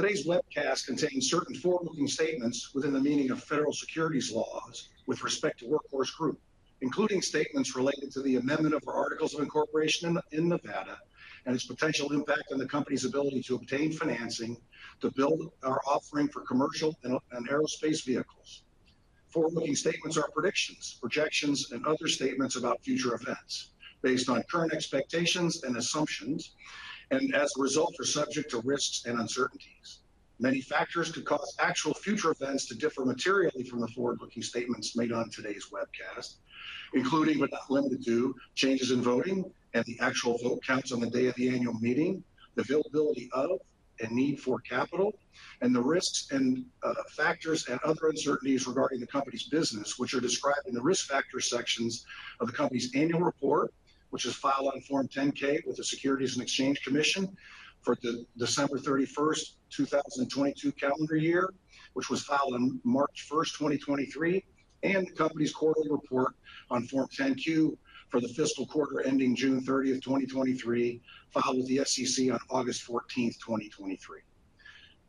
Today's webcast contains certain forward-looking statements within the meaning of federal securities laws with respect to Workhorse Group, including statements related to the amendment of our articles of incorporation in Nevada and its potential impact on the company's ability to obtain financing to build our offering for commercial and aerospace vehicles. Forward-looking statements are predictions, projections, and other statements about future events based on current expectations and assumptions, and as a result, are subject to risks and uncertainties. Many factors could cause actual future events to differ materially from the forward-looking statements made on today's webcast, including but not limited to, changes in voting and the actual vote counts on the day of the annual meeting, the availability of and need for capital, and the risks and factors and other uncertainties regarding the company's business, which are described in the risk factor sections of the company's annual report, which was filed on Form 10-K, with the Securities and Exchange Commission for the December 31, 2022 calendar year, which was filed on March 1, 2023, and the company's quarterly report on Form 10-Q, for the fiscal quarter ending June 30, 2023, filed with the SEC on August 14, 2023.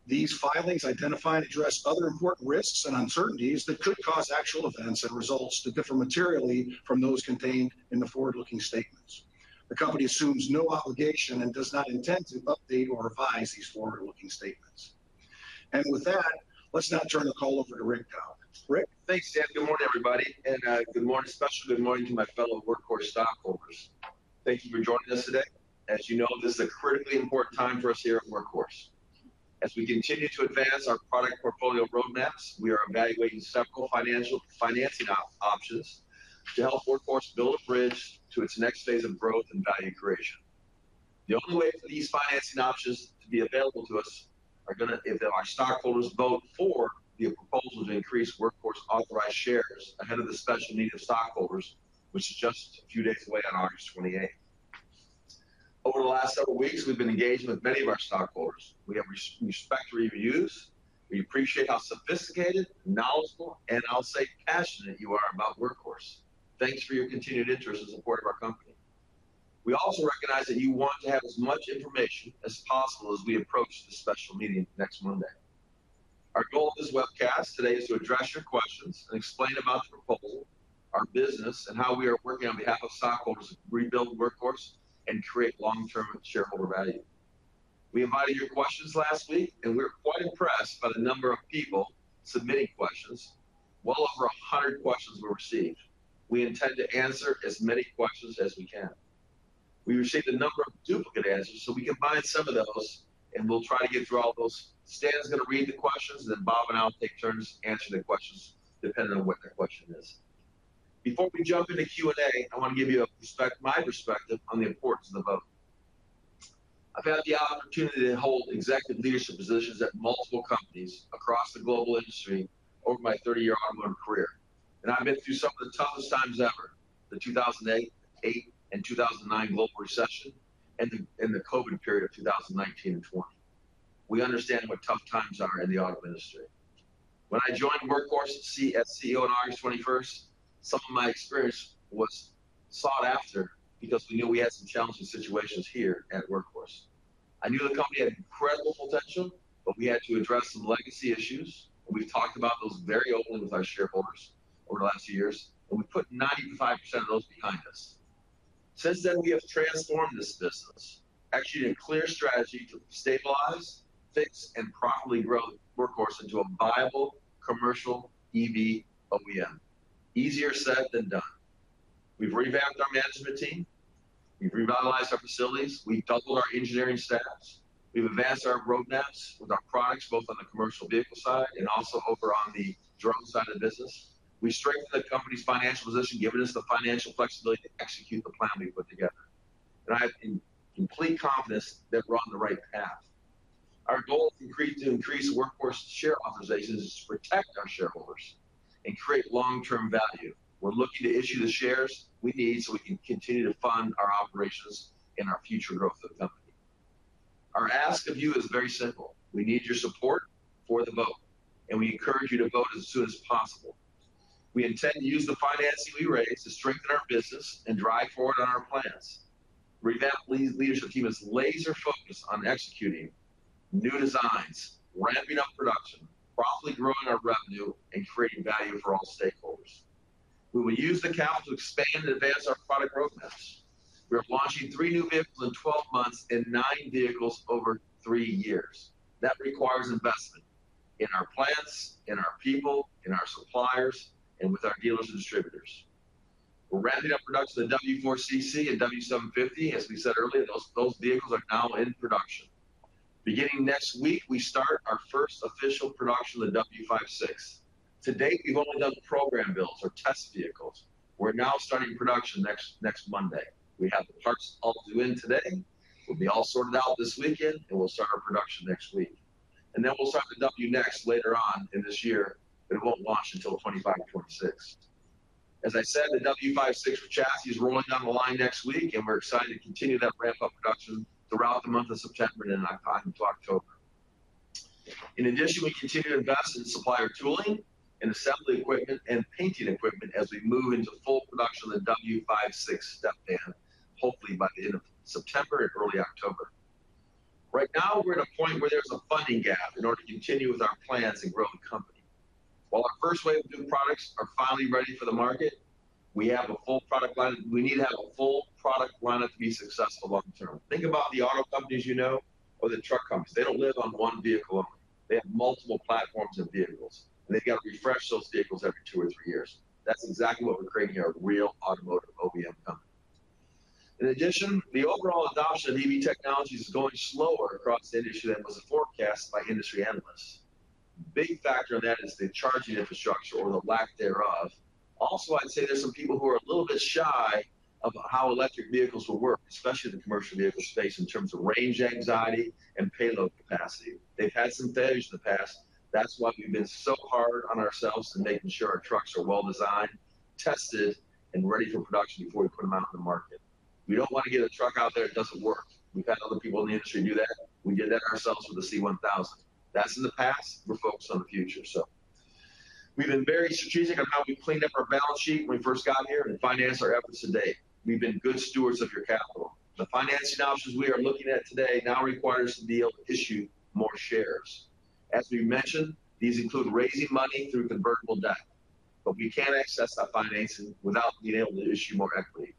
These filings identify and address other important risks and uncertainties that could cause actual events and results to differ materially from those contained in the forward-looking statements. The company assumes no obligation and does not intend to update or revise these forward-looking statements. With that, let's now turn the call over to Rick Dauch. Rick? Thanks, Stan. Good morning, everybody, and good morning, special good morning to my fellow Workhorse stockholders. Thank you for joining us today. As you know, this is a critically important time for us here at Workhorse. As we continue to advance our product portfolio roadmaps, we are evaluating several financing options to help Workhorse build a bridge to its next phase of growth and value creation. The only way for these financing options to be available to us are if our stockholders vote for the proposal to increase Workhorse authorized shares ahead of the special meeting of stockholders, which is just a few days away on August 28. Over the last several weeks, we've been engaging with many of our stockholders. We have respect your views. We appreciate how sophisticated, knowledgeable, and I'll say passionate you are about Workhorse. Thanks for your continued interest and support of our company. We also recognize that you want to have as much information as possible as we approach the special meeting next Monday. Our goal of this webcast today is to address your questions and explain about the proposal, our business, and how we are working on behalf of stockholders to rebuild Workhorse and create long-term shareholder value. We invited your questions last week, and we're quite impressed by the number of people submitting questions. Well over 100 questions were received. We intend to answer as many questions as we can. We received a number of duplicate answers, so we combined some of those, and we'll try to get through all those. Stan is going to read the questions, and then Bob and I will take turns answering the questions depending on what the question is. Before we jump into Q&A, I want to give you a perspective, my perspective on the importance of the vote. I've had the opportunity to hold executive leadership positions at multiple companies across the global industry over my 30-year auto career, and I've been through some of the toughest times ever, the 2008 and 2009 global recession, and the COVID period of 2019 and 2020. We understand what tough times are in the auto industry. When I joined Workhorse as CEO on August 21, some of my experience was sought after because we knew we had some challenging situations here at Workhorse. I knew the company had incredible potential, but we had to address some legacy issues, and we've talked about those very openly with our shareholders over the last few years, and we put 95% of those behind us. Since then, we have transformed this business, executing a clear strategy to stabilize, fix, and properly grow Workhorse into a viable commercial EV OEM. Easier said than done. We've revamped our management team. We've revitalized our facilities. We've doubled our engineering staffs. We've advanced our roadmaps with our products, both on the commercial vehicle side and also over on the drone side of the business. We strengthened the company's financial position, giving us the financial flexibility to execute the plan we put together, and I have in complete confidence that we're on the right path. Our goal to increase Workhorse share authorizations is to protect our shareholders and create long-term value. We're looking to issue the shares we need so we can continue to fund our operations and our future growth of the company. Our ask of you is very simple: We need your support for the vote, and we encourage you to vote as soon as possible. We intend to use the financing we raise to strengthen our business and drive forward on our plans. Revamped leadership team is laser-focused on executing new designs, ramping up production, profitably growing our revenue, and creating value for all stakeholders. We will use the capital to expand and advance our product roadmaps. We are launching 3 new vehicles in 12 months and 9 vehicles over 3 years. That requires investment in our plants, in our people, in our suppliers, and with our dealers and distributors. We're ramping up production of the W4CC and W750. As we said earlier, those, those vehicles are now in production. Beginning next week, we start our first official production of the W56. To date, we've only done program builds or test vehicles. We're now starting production next, next Monday. We have the parts all due in today. We'll be all sorted out this weekend, and we'll start our production next week. And then we'll start the WNext later on in this year, but it won't launch until 25 or 26. As I said, the W56 chassis is rolling down the line next week, and we're excited to continue that ramp-up production throughout the month of September and into October. In addition, we continue to invest in supplier tooling.... Assembly equipment and painting equipment as we move into full production of the W56 step van, hopefully by the end of September or early October. Right now, we're at a point where there's a funding gap in order to continue with our plans and grow the company. While our first wave of new products are finally ready for the market, we have a full product line. We need to have a full product lineup to be successful long term. Think about the auto companies you know or the truck companies. They don't live on one vehicle, they have multiple platforms of vehicles, and they've got to refresh those vehicles every two or three years. That's exactly what we're creating here, a real automotive OEM company. In addition, the overall adoption of EV technology is going slower across the industry than was forecast by industry analysts. Big factor in that is the charging infrastructure or the lack thereof. Also, I'd say there's some people who are a little bit shy of how electric vehicles will work, especially in the commercial vehicle space, in terms of range anxiety and payload capacity. They've had some failures in the past. That's why we've been so hard on ourselves to making sure our trucks are well designed, tested, and ready for production before we put them out in the market. We don't want to get a truck out there that doesn't work. We've had other people in the industry do that. We did that ourselves with the C-1000. That's in the past, we're focused on the future. So we've been very strategic on how we cleaned up our balance sheet when we first got here and financed our efforts today. We've been good stewards of your capital. The financing options we are looking at today, now require to be able to issue more shares. As we mentioned, these include raising money through convertible debt, but we can't access that financing without being able to issue more equity.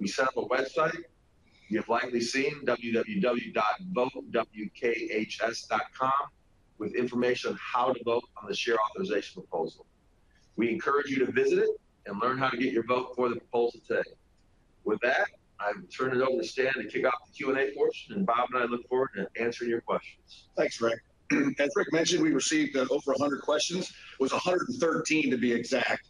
We set up a website you've likely seen, www.votewkhs.com, with information on how to vote on the share authorization proposal. We encourage you to visit it and learn how to get your vote for the proposal today. With that, I turn it over to Stan to kick off the Q&A portion, and Bob and I look forward to answering your questions. Thanks, Rick. As Rick mentioned, we received over 100 questions. It was 113, to be exact.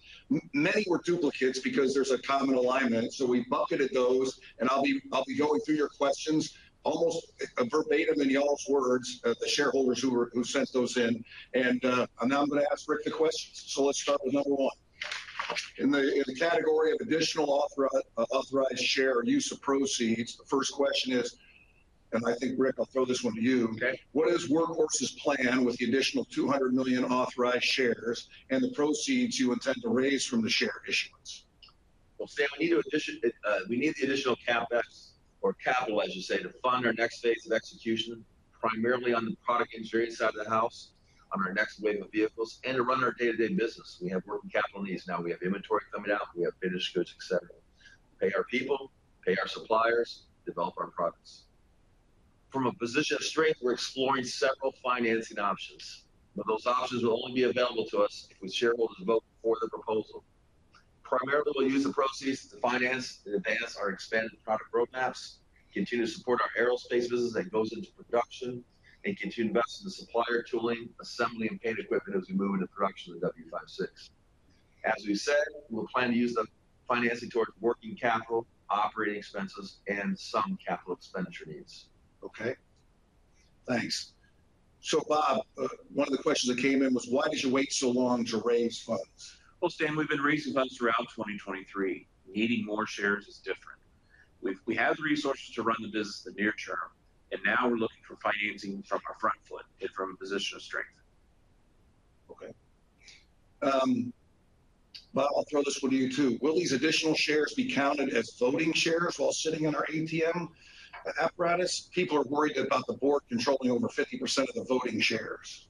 Many were duplicates because there's a common alignment, so we bucketed those, and I'll be going through your questions, almost verbatim in y'all's words, the shareholders who sent those in. Now I'm going to ask Rick the questions. So let's start with number one. In the category of additional authorized share or use of proceeds, the first question is, and I think, Rick, I'll throw this one to you. Okay. What is Workhorse's plan with the additional 200 million authorized shares and the proceeds you intend to raise from the share issuance? Well, Stan, we need the additional CapEx or capital, as you say, to fund our next phase of execution, primarily on the product engineering side of the house, on our next wave of vehicles, and to run our day-to-day business. We have working capital needs. Now, we have inventory coming out. We have finished goods, et cetera. Pay our people, pay our suppliers, develop our products. From a position of strength, we're exploring several financing options, but those options will only be available to us if the shareholders vote for the proposal. Primarily, we'll use the proceeds to finance and advance our expanded product roadmaps, continue to support our aerospace business that goes into production, and continue to invest in the supplier tooling, assembly, and paint equipment as we move into production of the W56. As we said, we'll plan to use the financing towards working capital, operating expenses, and some capital expenditure needs. Okay, thanks. So, Bob, one of the questions that came in was: Why did you wait so long to raise funds? Well, Stan, we've been raising funds throughout 2023. Needing more shares is different. We have the resources to run the business in the near term, and now we're looking for financing from a front foot and from a position of strength. Okay. Bob, I'll throw this one to you, too. Will these additional shares be counted as voting shares while sitting in our ATM apparatus? People are worried about the board controlling over 50% of the voting shares.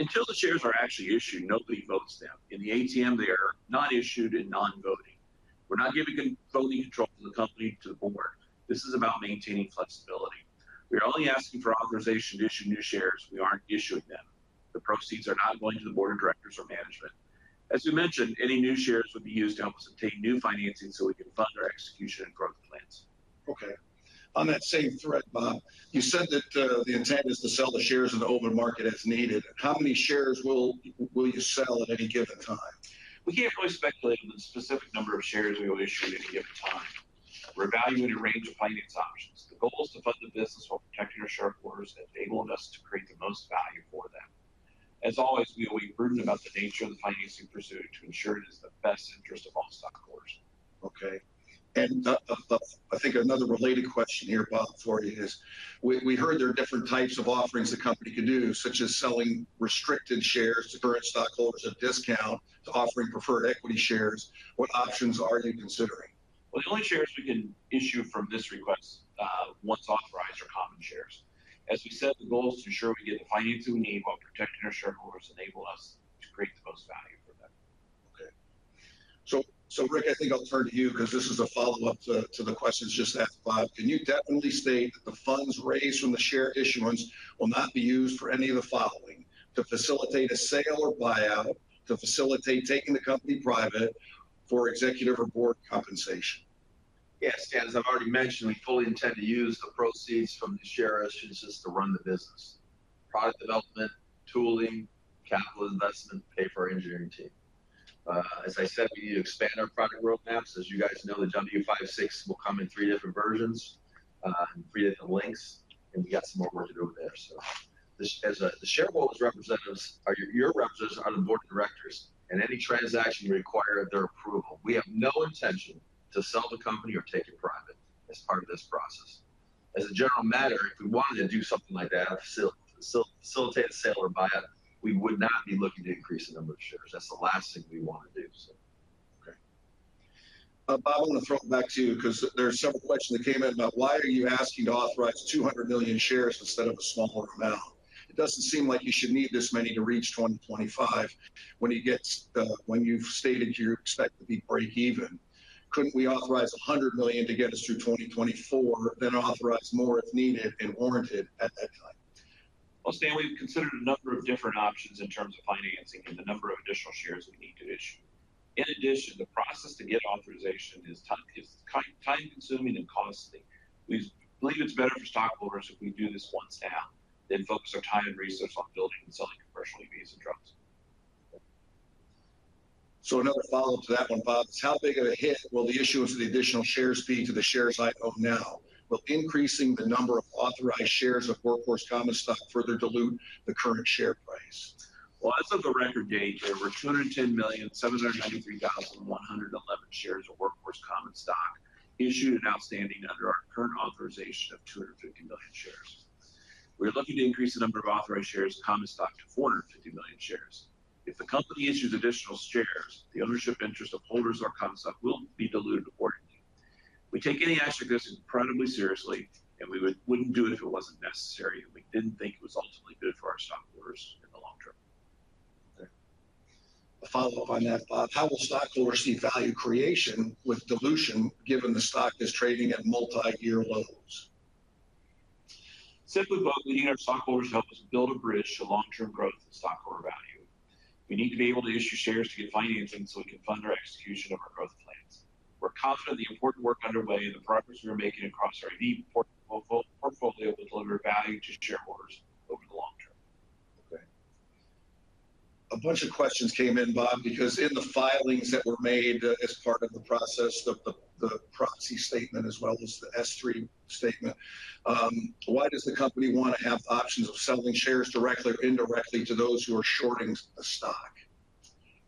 Until the shares are actually issued, nobody votes them. In the ATM, they are not issued and non-voting. We're not giving controlling interest in the company to the board. This is about maintaining flexibility. We are only asking for authorization to issue new shares. We aren't issuing them. The proceeds are not going to the board of directors or management. As you mentioned, any new shares would be used to help us obtain new financing so we can fund our execution and growth plans. Okay. On that same thread, Bob, you said that the intent is to sell the shares in the open market as needed. How many shares will you sell at any given time? We can't really speculate on the specific number of shares we will issue at any given time. We're evaluating a range of financing options. The goal is to fund the business while protecting our shareholders, enabling us to create the most value for them. As always, we will be prudent about the nature of the financing pursued to ensure it is in the best interest of all stockholders. Okay, and I think another related question here, Bob, for you is: We heard there are different types of offerings the company could do, such as selling restricted shares to current stockholders at a discount to offering preferred equity shares. What options are you considering? Well, the only shares we can issue from this request, once authorized, are common shares. As we said, the goal is to ensure we get the financing we need while protecting our shareholders and enable us to create the most value for them. Okay. Rick, I think I'll turn to you because this is a follow-up to the questions just asked to Bob. Can you definitely state that the funds raised from the share issuance will not be used for any of the following: to facilitate a sale or buyout, to facilitate taking the company private, for executive or board compensation? Yes, Stan. As I've already mentioned, we fully intend to use the proceeds from the share issuances to run the business. Product development, tooling, capital investment, pay for our engineering team. As I said, we need to expand our product roadmaps. As you guys know, the W56 will come in three different versions, and three different lengths, and we got some more work to do there, so. As the shareholders' representatives are your representatives on the board of directors, and any transaction require their approval. We have no intention to sell the company or take it private as part of this process. As a general matter, if we wanted to do something like that, or so facilitate a sale or buy out, we would not be looking to increase the number of shares. That's the last thing we want to do, so. Okay. Bob, I want to throw it back to you, because there are several questions that came in about why are you asking to authorize 200 million shares instead of a smaller amount? It doesn't seem like you should need this many to reach 2025 when you get, when you've stated you expect to be breakeven. Couldn't we authorize 100 million to get us through 2024, then authorize more if needed and warranted at that time? Well, Stan, we've considered a number of different options in terms of financing and the number of additional shares we need to issue. In addition, the process to get authorization is time-consuming and costly. We believe it's better for stockholders if we do this once now, then focus our time and research on building and selling commercially these drugs. Another follow-up to that one, Bob, is how big of a hit will the issuance of the additional shares be to the shares I own now? Will increasing the number of authorized shares of Workhorse common stock further dilute the current share price? Well, as of the record date, there were 210,793,111 shares of Workhorse common stock issued and outstanding under our current authorization of 250 million shares. We're looking to increase the number of authorized shares of common stock to 450 million shares. If the company issues additional shares, the ownership interest of holders of our common stock will be diluted accordingly. We take any aspect of this incredibly seriously, and we wouldn't do it if it wasn't necessary, and we didn't think it was ultimately good for our stockholders in the long term. Okay. A follow-up on that, Bob. How will stockholders see value creation with dilution, given the stock is trading at multi-year lows? Simply put, we need our stockholders to help us build a bridge to long-term growth and stockholder value. We need to be able to issue shares to get financing, so we can fund our execution of our growth plans. We're confident the important work underway and the progress we are making across our EV portfolio will deliver value to shareholders over the long term. Okay. A bunch of questions came in, Bob, because in the filings that were made as part of the process, the proxy statement as well as the S-3 statement, why does the company want to have options of selling shares directly or indirectly to those who are shorting the stock?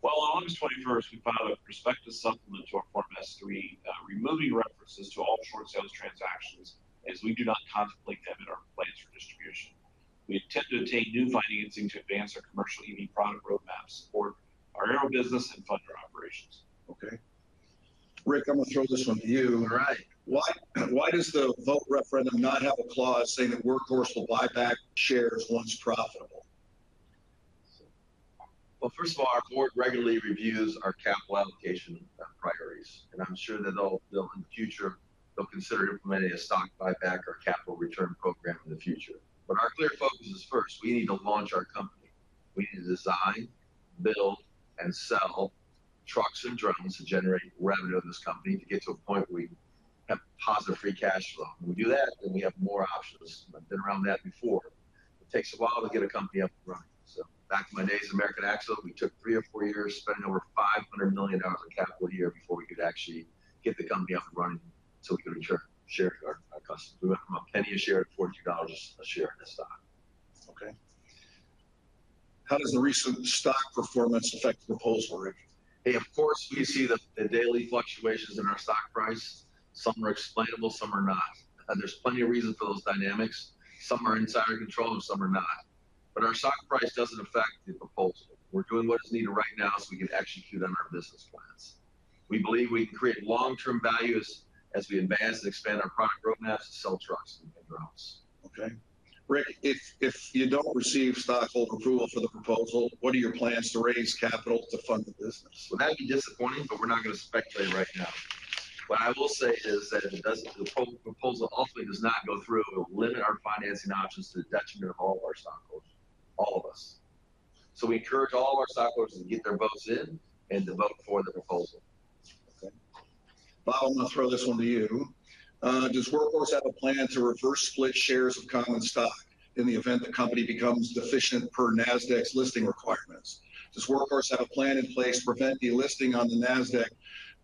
Well, on August 21st, we filed a prospectus supplement to our Form S-3, removing references to all short sales transactions, as we do not contemplate them in our plans for distribution. We intend to obtain new financing to advance our commercial EV product roadmap to support Aero business and fund our operations. Okay. Rick, I'm going to throw this one to you. All right. Why, why does the vote referendum not have a clause saying that Workhorse will buy back shares once profitable? Well, first of all, our board regularly reviews our capital allocation priorities, and I'm sure that they'll in the future consider implementing a stock buyback or capital return program in the future. But our clear focus is, first, we need to launch our company. We need to design, build, and sell trucks and drones to generate revenue of this company to get to a point where we have positive free cash flow. We do that, then we have more options. I've been around that before. It takes a while to get a company up and running. So back in my days at American Axle, we took 3 or 4 years, spending over $500 million in capital a year before we could actually get the company up and running, so we could return share to our customers. We went from $0.01 a share to $42 a share in the stock. Okay. How does the recent stock performance affect the proposal, Rick? Hey, of course, we see the daily fluctuations in our stock price. Some are explainable, some are not, and there's plenty of reasons for those dynamics. Some are inside our control and some are not. But our stock price doesn't affect the proposal. We're doing what is needed right now, so we can execute on our business plans. We believe we can create long-term values as we advance and expand our product roadmap to sell trucks and drones. Okay. Rick, if you don't receive stockholder approval for the proposal, what are your plans to raise capital to fund the business? Well, that'd be disappointing, but we're not going to speculate right now. What I will say is that if it doesn't, the proposal ultimately does not go through, it will limit our financing options to the detriment of all our stockholders, all of us. So we encourage all our stockholders to get their votes in and to vote for the proposal. Okay. Bob, I'm going to throw this one to you. Does Workhorse have a plan to reverse split shares of common stock in the event the company becomes deficient per Nasdaq's listing requirements? Does Workhorse have a plan in place to prevent delisting on the Nasdaq,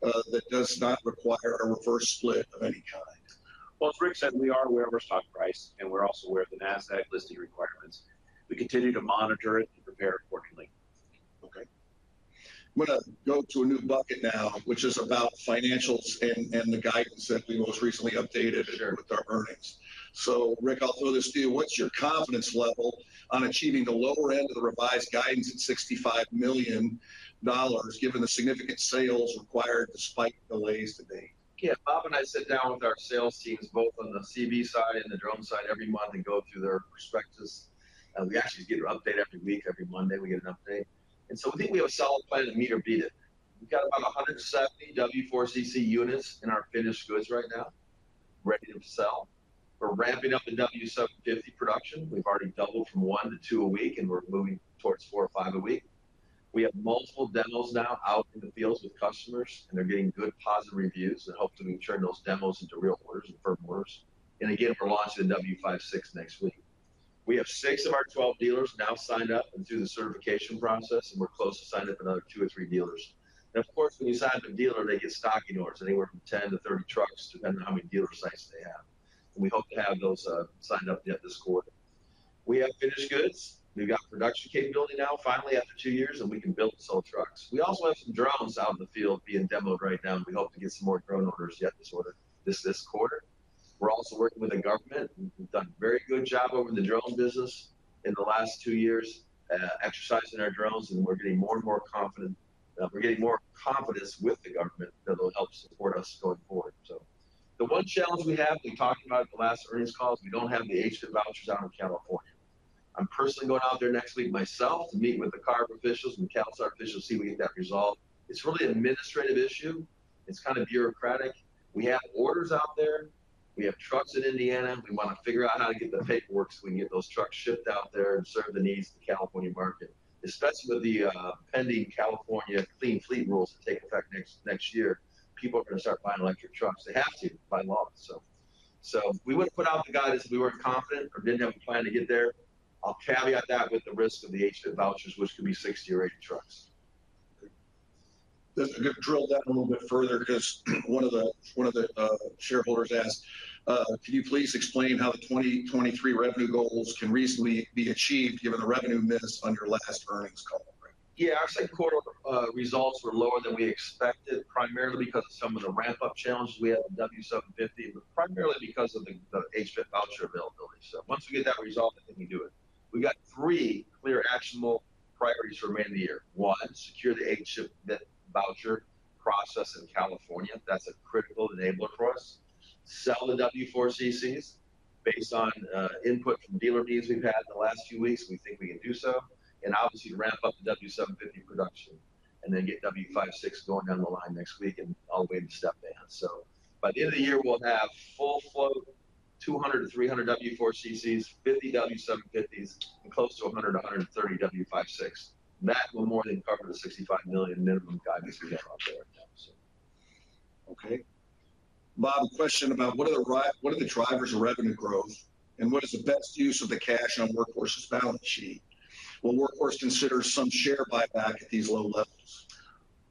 that does not require a reverse split of any kind? Well, as Rick said, we are aware of our stock price, and we're also aware of the Nasdaq listing requirements. We continue to monitor it and prepare accordingly. Okay. I'm gonna go to a new bucket now, which is about financials and the guidance that we most recently updated- Sure -with our earnings. So Rick, I'll throw this to you. What's your confidence level on achieving the lower end of the revised guidance at $65 million, given the significant sales required despite the delays to date? Yeah, Bob and I sit down with our sales teams, both on the CV side and the drone side, every month, and go through their perspectives. We actually get an update every week. Every Monday, we get an update. And so I think we have a solid plan to meet or beat it. We've got about 170 W4CC units in our finished goods right now, ready to sell. We're ramping up the W750 production. We've already doubled from 1 to 2 a week, and we're moving towards 4 or 5 a week. We have multiple demos now out in the fields with customers, and they're getting good, positive reviews that help to turn those demos into real orders and firm orders. And again, we're launching the W56 next week. We have 6 of our 12 dealers now signed up and through the certification process, and we're close to signing up another 2 or 3 dealers. Of course, when you sign up a dealer, they get stocking orders, anywhere from 10-30 trucks, depending on how many dealer sites they have. We hope to have those signed up yet this quarter. We have finished goods, we've got production capability now, finally, after 2 years, and we can build and sell trucks. We also have some drones out in the field being demoed right now, and we hope to get some more drone orders yet this quarter. We're also working with the government. We've done a very good job over in the drone business in the last two years at exercising our drones, and we're getting more and more confident, we're getting more confidence with the government that they'll help support us going forward. So the one challenge we have, we talked about the last earnings calls, we don't have the HVIP voucher down in California. I'm personally going out there next week myself to meet with the CARB officials and CALSTART officials to see if we can get that resolved. It's really an administrative issue. It's kind of bureaucratic. We have orders out there. We have trucks in Indiana. We want to figure out how to get the paperwork, so we can get those trucks shipped out there and serve the needs of the California market, especially with the pending California Clean Fleet rules to take effect next year. People are going to start buying electric trucks. They have to, by law. So we wouldn't put out the guidance if we weren't confident or didn't have a plan to get there. I'll caveat that with the risk of the HVIP vouchers, which could be 60 or 80 trucks. Let's drill down a little bit further, because one of the shareholders asked, "Can you please explain how the 2023 revenue goals can reasonably be achieved, given the revenue miss on your last earnings call? Yeah, our Q2 results were lower than we expected, primarily because of some of the ramp-up challenges we had with the W750, but primarily because of the HVIP voucher availability. So, once we get that resolved, then we can do it. We've got three clear, actionable priorities for the remainder of the year. One, secure the HVIP voucher process in California. That's a critical enabler for us. Sell the W4CCs based on input from dealer meetings we've had in the last few weeks, we think we can do so. And obviously, ramp up the W750 production and then get W56 going down the line next week and all the way to step van. So, by the end of the year, we'll have full fleet, 200-300 W4 CCs, 50 W750s, and close to 100-130 W56s. That will more than cover the $65 million minimum guidance we have out there, so. Okay. Bob, a question about what are the drivers of revenue growth, and what is the best use of the cash on Workhorse's balance sheet? Will Workhorse consider some share buyback at these low levels?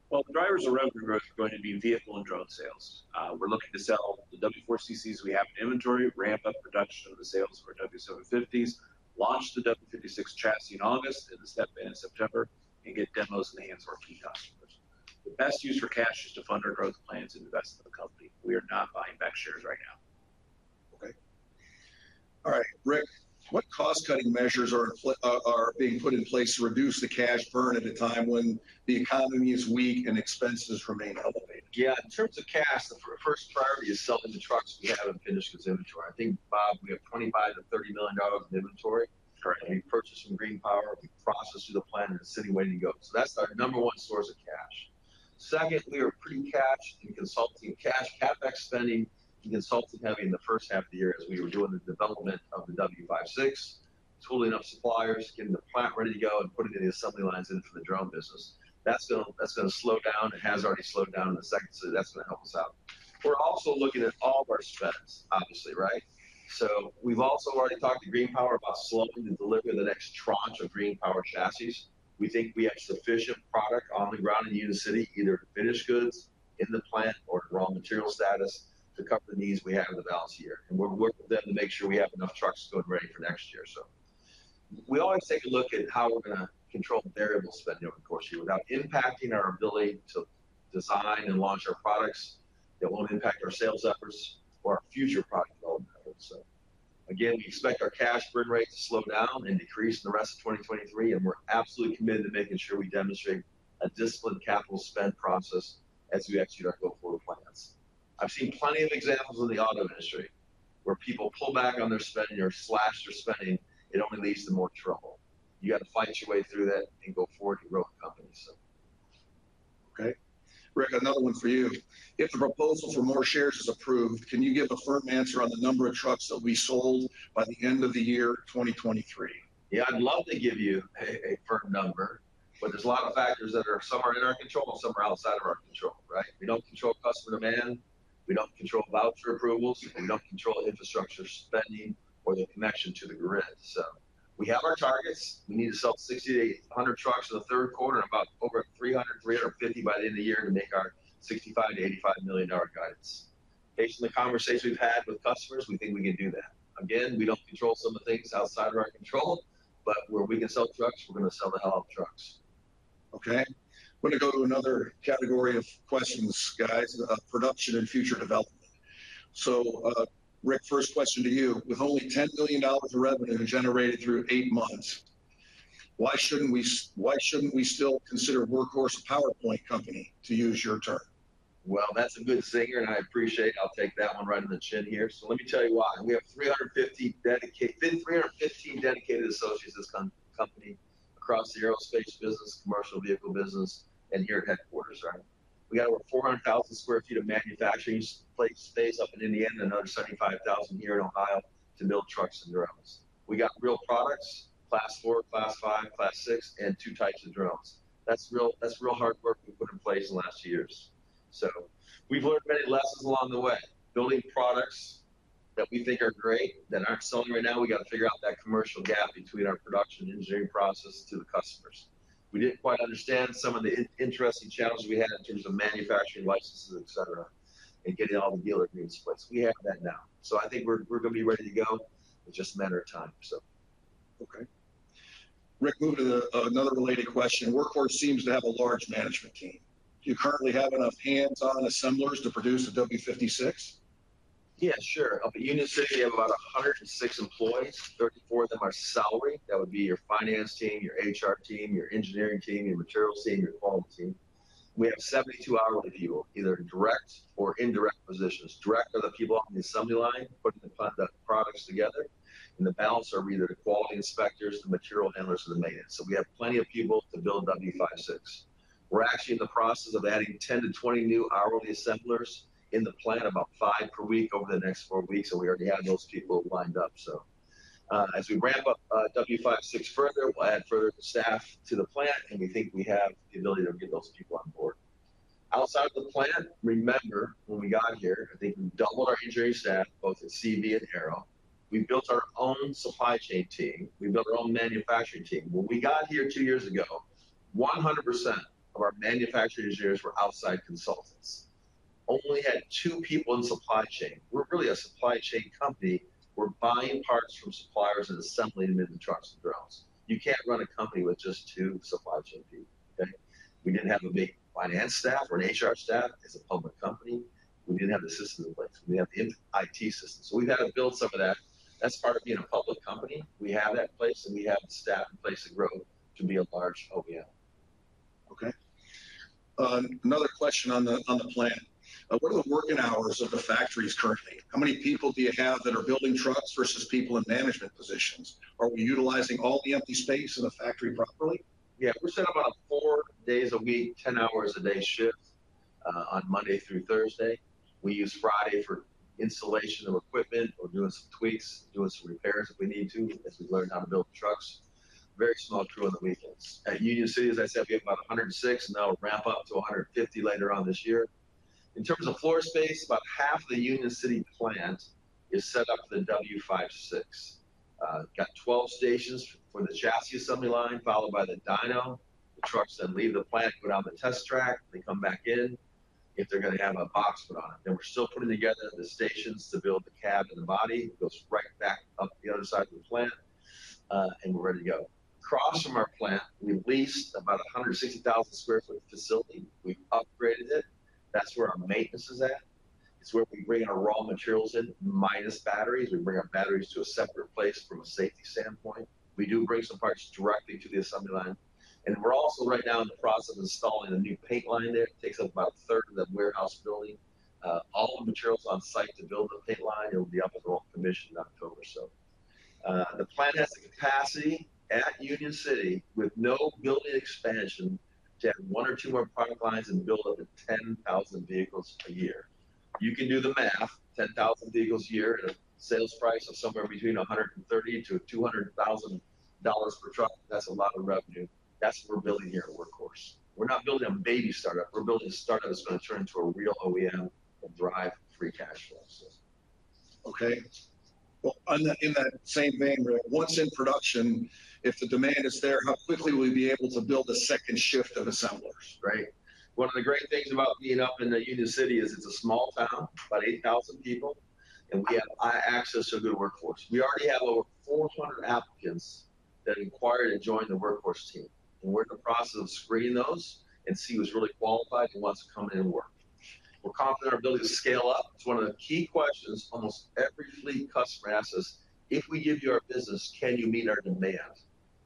Well, the drivers of revenue growth are going to be vehicle and drone sales. We're looking to sell the W4CCs we have in inventory, ramp up production of the sales for W750s, launch the W56 chassis in August and the step in in September, and get demos in the hands of our key customers. The best use for cash is to fund our growth plans and invest in the company. We are not buying back shares right now. Okay. All right, Rick, what cost-cutting measures are being put in place to reduce the cash burn at a time when the economy is weak and expenses remain elevated? Yeah, in terms of cash, the first priority is selling the trucks we have in finished goods inventory. I think, Bob, we have $25-$30 million in inventory- Correct. in purchasing GreenPower. We process through the plant in the city waiting to go. So that's our number one source of cash. Second, we are pretty cashed in consulting cash CapEx spending and consulting heavy in the first half of the year as we were doing the development of the W56, tooling up suppliers, getting the plant ready to go, and putting the assembly lines in for the drone business. That's gonna, that's gonna slow down. It has already slowed down in the second, so that's going to help us out. We're also looking at all of our spends, obviously, right? So we've also already talked to GreenPower about slowing the delivery of the next tranche of GreenPower chassis. We think we have sufficient product on the ground in Union City, either finished goods in the plant or raw material status, to cover the needs we have in the balance of the year. And we're working with them to make sure we have enough trucks good and ready for next year, so. We always take a look at how we're going to control the variable spend over the course of the year, without impacting our ability to design and launch our products, that won't impact our sales efforts or our future product development efforts. So again, we expect our cash burn rate to slow down and decrease in the rest of 2023, and we're absolutely committed to making sure we demonstrate a disciplined capital spend process as we execute our go-forward plans. I've seen plenty of examples in the auto industry where people pull back on their spending or slash their spending. It only leads to more trouble. You got to fight your way through that and go forward to grow the company, so. Okay. Rick, another one for you. If the proposal for more shares is approved, can you give a firm answer on the number of trucks that will be sold by the end of the year 2023? Yeah, I'd love to give you a firm number, but there's a lot of factors that are, some are in our control, and some are outside of our control, right? We don't control customer demand, we don't control voucher approvals, we don't control infrastructure spending or the connection to the grid. So, we have our targets. We need to sell 60-80 trucks in the Q3, and about 300-350 by the end of the year to make our $65 million-$85 million guidance. Based on the conversations we've had with customers, we think we can do that. Again, we don't control some of the things outside of our control, but where we can sell trucks, we're going to sell the hell out of trucks. Okay. I'm going to go to another category of questions, guys, production and future development. So, Rick, first question to you: With only $10 million of revenue generated through 8 months, why shouldn't we still consider Workhorse a PowerPoint company, to use your term? Well, that's a good zinger, and I appreciate it. I'll take that one right in the chin here. So let me tell you why. We have 350 dedicated associates in this company across the aerospace business, commercial vehicle business, and here at headquarters, right? We got over 400,000 sq ft of manufacturing space up in Indiana, and another 75,000 sq ft here in Ohio to build trucks and drones. We got real products, Class 4, Class 5, Class 6, and two types of drones. That's real, that's real hard work we've put in place in the last few years. So we've learned many lessons along the way. Building products that we think are great, that aren't selling right now, we got to figure out that commercial gap between our production engineering process to the customers.... We didn't quite understand some of the interesting challenges we had in terms of manufacturing licenses, et cetera, and getting all the dealer agreements in place. We have that now. So I think we're gonna be ready to go in just a matter of time. So- Okay. Rick, moving to another related question: Workhorse seems to have a large management team. Do you currently have enough hands-on assemblers to produce a W56? Yeah, sure. At Union City, we have about 106 employees. 34 of them are salaried. That would be your finance team, your HR team, your engineering team, your materials team, your quality team. We have 72 hourly people, either direct or indirect positions. Direct are the people on the assembly line, putting the products together, and the balance are either the quality inspectors, the material handlers, or the maintenance. So we have plenty of people to build W56. We're actually in the process of adding 10-20 new hourly assemblers in the plant, about 5 per week over the next 4 weeks, so we already have those people lined up. So, as we ramp up, W56 further, we'll add further staff to the plant, and we think we have the ability to get those people on board. Outside of the plant, remember when we got here, I think we doubled our engineering staff, both at CV and Aero. We built our own supply chain team. We built our own manufacturing team. When we got here two years ago, 100% of our manufacturing engineers were outside consultants. Only had two people in supply chain. We're really a supply chain company. We're buying parts from suppliers and assembling them into trucks and drones. You can't run a company with just two supply chain people, okay? We didn't have a big finance staff or an HR staff. As a public company, we didn't have the systems in place. We didn't have the IT systems, so we've had to build some of that. That's part of being a public company. We have that in place, and we have the staff in place to grow to be a large OEM. Okay. Another question on the plant. What are the working hours of the factories currently? How many people do you have that are building trucks versus people in management positions? Are we utilizing all the empty space in the factory properly? Yeah, we're set up about 4 days a week, 10 hours a day shifts, on Monday through Thursday. We use Friday for installation of equipment or doing some tweaks, doing some repairs if we need to, as we learn how to build the trucks. Very small crew on the weekends. At Union City, as I said, we have about 106, and that'll ramp up to 150 later on this year. In terms of floor space, about half the Union City plant is set up for the W56. Got 12 stations for the chassis assembly line, followed by the dyno, the trucks then leave the plant, go down the test track, they come back in if they're gonna have a box put on. Then we're still putting together the stations to build the cab and the body. It goes right back up the other side of the plant, and we're ready to go. Across from our plant, we leased about a 160,000 sq ft facility. We've upgraded it. That's where our maintenance is at. It's where we bring our raw materials in, minus batteries. We bring our batteries to a separate place from a safety standpoint. We do bring some parts directly to the assembly line, and we're also right now in the process of installing a new paint line there. Takes up about a third of the warehouse building. All the materials are on site to build the paint line, it will be up and rolling, commissioned in October, so. The plant has the capacity at Union City, with no building expansion, to add one or two more product lines and build up to 10,000 vehicles a year. You can do the math, 10,000 vehicles a year at a sales price of somewhere between $130,000-$200,000 per truck, that's a lot of revenue. That's what we're building here at Workhorse. We're not building a baby startup. We're building a startup that's gonna turn into a real OEM and drive free cash flow, so. Okay. Well, on that, in that same vein, Rick, once in production, if the demand is there, how quickly will we be able to build a second shift of assemblers, right? One of the great things about being up in the Union City is it's a small town, about 8,000 people, and we have high access to a good workforce. We already have over 400 applicants that inquired to join the Workhorse team, and we're in the process of screening those and see who's really qualified and wants to come in and work. We're confident in our ability to scale up. It's one of the key questions almost every fleet customer asks us: "If we give you our business, can you meet our demand?"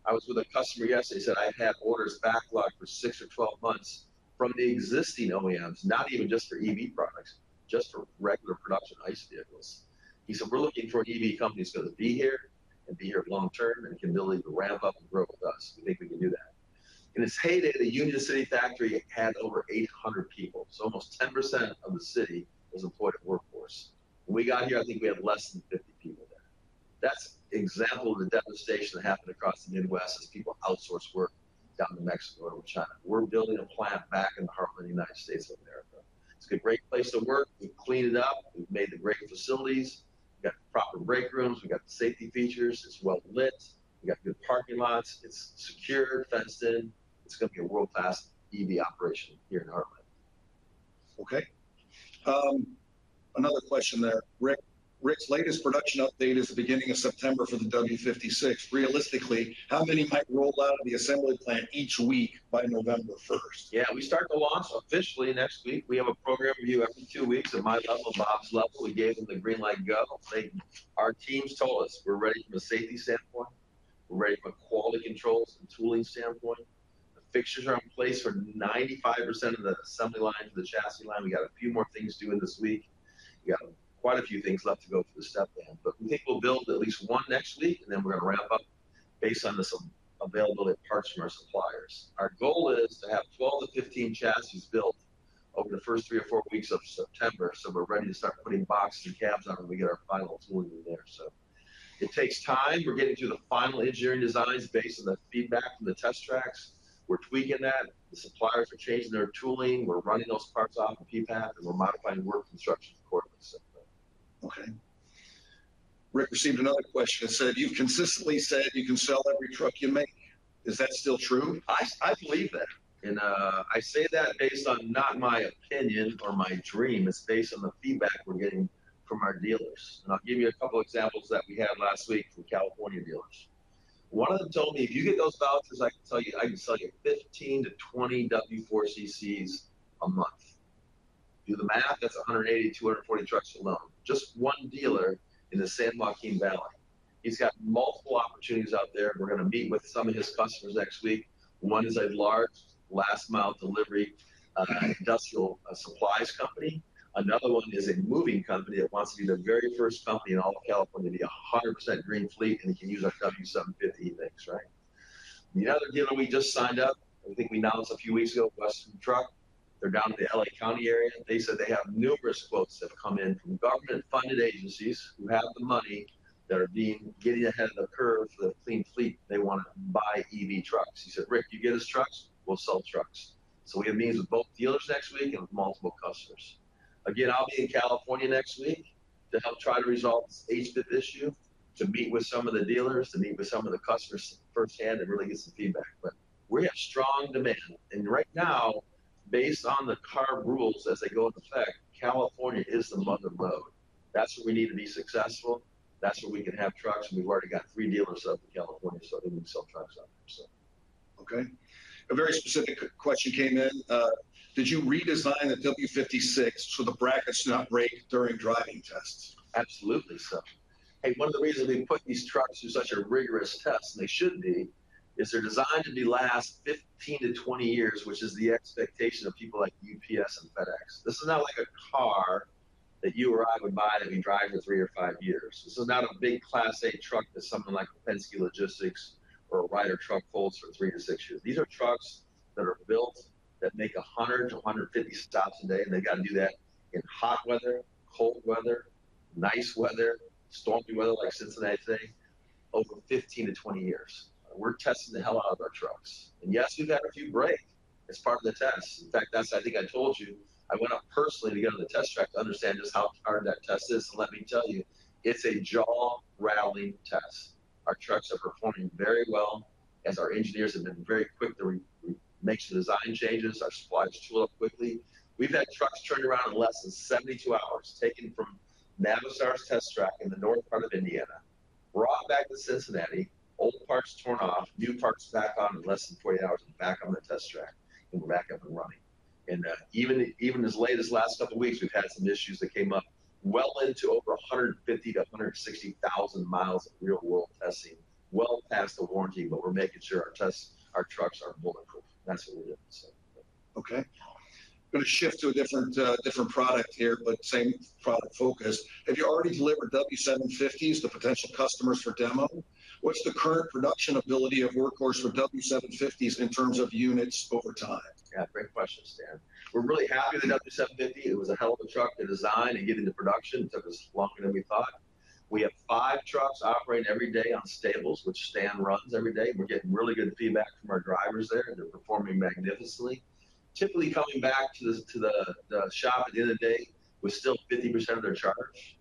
I was with a customer yesterday, he said, "I have orders backlogged for 6 or 12 months from the existing OEMs, not even just for EV products, just for regular production ICE vehicles." He said, "We're looking for an EV company that's gonna be here, and be here long term, and have the ability to ramp up and grow with us." We think we can do that. In its heyday, the Union City factory had over 800 people, so almost 10% of the city was employed at Workhorse. When we got here, I think we had less than 50 people there. That's an example of the devastation that happened across the Midwest as people outsourced work down to Mexico and China. We're building a plant back in the heart of the United States of America. It's a great place to work. We've cleaned it up. We've made the great facilities. We've got proper break rooms. We've got the safety features. It's well-lit. We've got good parking lots. It's secure, fenced in. It's gonna be a world-class EV operation here in Heartland. Okay. Another question there, Rick. Rick's latest production update is the beginning of September for the W56. Realistically, how many might roll out of the assembly plant each week by November 1st? Yeah, we start the launch officially next week. We have a program review every two weeks. At my level, and Bob's level, we gave them the green light to go. Our teams told us we're ready from a safety standpoint, we're ready from a quality controls and tooling standpoint. The fixtures are in place for 95% of the assembly line for the chassis line. We got a few more things due in this week. We got quite a few things left to go through the step down, but we think we'll build at least 1 next week, and then we're gonna ramp up based on the some available parts from our suppliers. Our goal is to have 12-15 chassis built over the first 3 or 4 weeks of September, so we're ready to start putting boxes and cabs on when we get our final tooling in there. It takes time. We're getting to the final engineering designs based on the feedback from the test tracks. We're tweaking that. The suppliers are changing their tooling. We're running those parts off of PPAP, and we're modifying work instructions accordingly, so. Okay.... Rick, received another question that said: "You've consistently said you can sell every truck you make. Is that still true?" I believe that, and I say that based on not my opinion or my dream. It's based on the feedback we're getting from our dealers. And I'll give you a couple examples that we had last week from California dealers. One of them told me, "If you get those vouchers, I can sell you fifteen to twenty W4CCs a month." Do the math, that's 180, 240 trucks alone. Just one dealer in the San Joaquin Valley. He's got multiple opportunities out there, and we're gonna meet with some of his customers next week. One is a large last-mile delivery, industrial supplies company. Another one is a moving company that wants to be the very first company in all of California to be 100% green fleet, and it can use our W750 things, right? The other dealer we just signed up, I think we announced a few weeks ago, Western Truck. They're down in the LA County area. They said they have numerous quotes that have come in from government-funded agencies who have the money, that are getting ahead of the curve for the clean fleet. They wanna buy EV trucks. He said, "Rick, you get us trucks, we'll sell trucks." So we have meetings with both dealers next week and with multiple customers. Again, I'll be in California next week to help try to resolve this HDV issue, to meet with some of the dealers, to meet with some of the customers firsthand and really get some feedback. But we have strong demand, and right now, based on the CARB rules as they go into effect, California is the motherlode. That's where we need to be successful. That's where we can have trucks, and we've already got three dealers up in California, so they can sell trucks up there, so. Okay. A very specific question came in. "Did you redesign the W56 so the brackets do not break during driving tests? Absolutely, sir. Hey, one of the reasons we put these trucks through such a rigorous test, and they should be, is they're designed to last 15-20 years, which is the expectation of people like UPS and FedEx. This is not like a car that you or I would buy that we drive for 3 or 5 years. This is not a big Class A truck that something like Penske Logistics or a Ryder truck holds for 3-6 years. These are trucks that are built, that make 100-150 stops a day, and they gotta do that in hot weather, cold weather, nice weather, stormy weather, like Cincinnati today, over 15-20 years. We're testing the hell out of our trucks. And yes, we've had a few break. It's part of the test. In fact, that's. I think I told you, I went up personally to get on the test track to understand just how hard that test is. Let me tell you, it's a jaw-rattling test. Our trucks are performing very well, as our engineers have been very quick to remake some design changes. Our supplies show up quickly. We've had trucks turned around in less than 72 hours, taken from Navistar's test track in the north part of Indiana, brought back to Cincinnati, old parts torn off, new parts back on in less than 48 hours and back on the test track, and we're back up and running. Even as late as last couple of weeks, we've had some issues that came up well into over 150-160,000 miles of real-world testing, well past the warranty, but we're making sure our tests, our trucks are bulletproof. That's what we're doing, so. Okay. I'm gonna shift to a different, different product here, but same product focus. "Have you already delivered W750s to potential customers for demo? What's the current production ability of Workhorse for W750s in terms of units over time? Yeah, great question, Stan. We're really happy with the W750. It was a hell of a truck to design and get into production. It took us longer than we thought. We have 5 trucks operating every day on Stables, which Stan runs every day. We're getting really good feedback from our drivers there, and they're performing magnificently. Typically, coming back to the shop at the end of the day, with still 50% of their charge.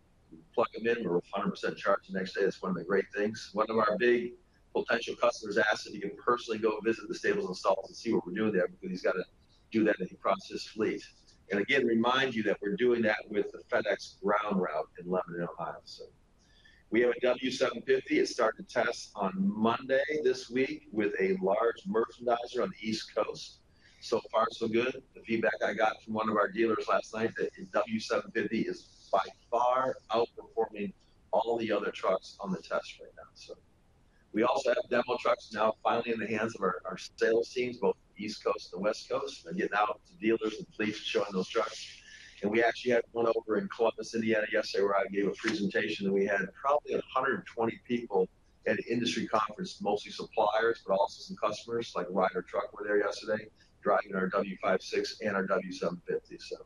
We plug them in, and we're 100% charged the next day. That's one of the great things. One of our big potential customers asked if he can personally go visit the stables himself and see what we're doing there because he's gotta do that if he crosses fleet. And again, remind you that we're doing that with the FedEx Ground route in Lebanon, Ohio. So we have a W750. It's starting to test on Monday this week with a large merchandiser on the East Coast. So far, so good. The feedback I got from one of our dealers last night, that the W750 is by far outperforming all the other trucks on the test right now. So we also have demo trucks now, finally in the hands of our, our sales teams, both East Coast and West Coast, and getting out to dealers and fleets, showing those trucks. We actually had one over in Columbus, Indiana, yesterday, where I gave a presentation, and we had probably 120 people at an industry conference, mostly suppliers, but also some customers, like Ryder Truck, were there yesterday, driving our W56 and our W750. So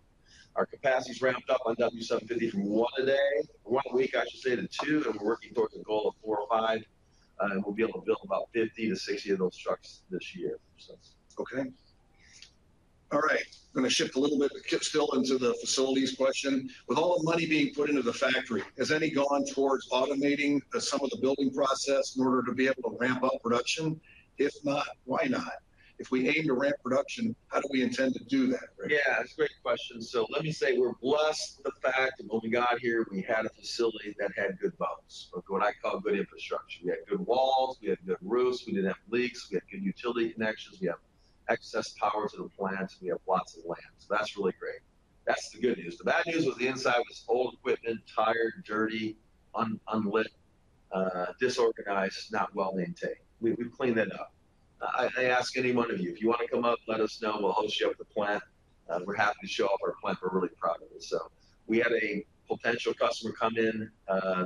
our capacity's ramped up on W750 from one a day, one a week, I should say, to two, and we're working towards a goal of four or five, and we'll be able to build about 50-60 of those trucks this year. So... Okay. All right, I'm gonna shift a little bit, but Kip still into the facilities question. "With all the money being put into the factory, has any gone towards automating some of the building process in order to be able to ramp up production? If not, why not? If we aim to ramp production, how do we intend to do that, Rick? Yeah, it's a great question. So let me say we're blessed with the fact that when we got here, we had a facility that had good bones, or what I call good infrastructure. We had good walls, we had good roofs, we didn't have leaks, we had good utility connections, we have excess power to the plants, we have lots of land. So that's really great. That's the good news. The bad news was the inside was old equipment, tired, dirty, unlit, disorganized, not well-maintained. We've cleaned that up. I ask any one of you, if you wanna come up, let us know. We'll host you at the plant, and we're happy to show off our plant. We're really proud of it. So we had a potential customer come in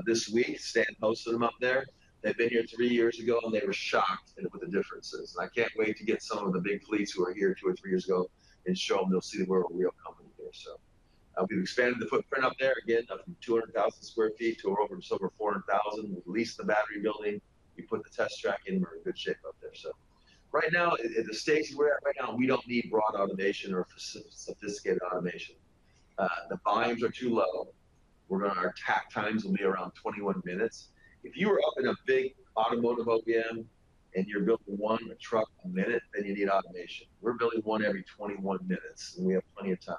this week. Stan hosted them up there. They've been here three years ago, and they were shocked with the differences. I can't wait to get some of the big fleets who were here two or three years ago and show them. They'll see we're a real company here, so. We've expanded the footprint up there, again, from 200,000 sq ft to over, just over 400,000. We've leased the battery building. We put the test track in. We're in good shape up there, so. Right now, in the stage we're at right now, we don't need broad automation or sophisticated automation. The volumes are too low. We're gonna. Our tack times will be around 21 minutes. If you were up in a big automotive OEM and you're building one truck a minute, then you need automation. We're building one every 21 minutes, and we have plenty of time.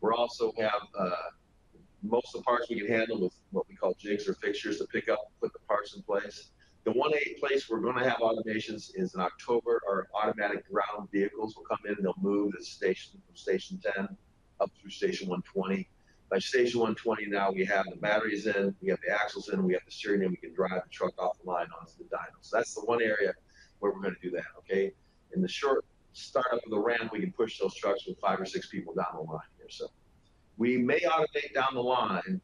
We also have most of the parts we can handle with what we call jigs or fixtures to pick up, put the parts in place. The one area place we're gonna have automations is in October. Our automatic ground vehicles will come in, and they'll move the station, from station 10 up through station 120. By station 120, now we have the batteries in, we have the axles in, we have the steering wheel, and we can drive the truck off the line onto the dyno. So that's the one area where we're gonna do that, okay? In the short start up of the ramp, we can push those trucks with 5 or 6 people down the line there, so. We may automate down the line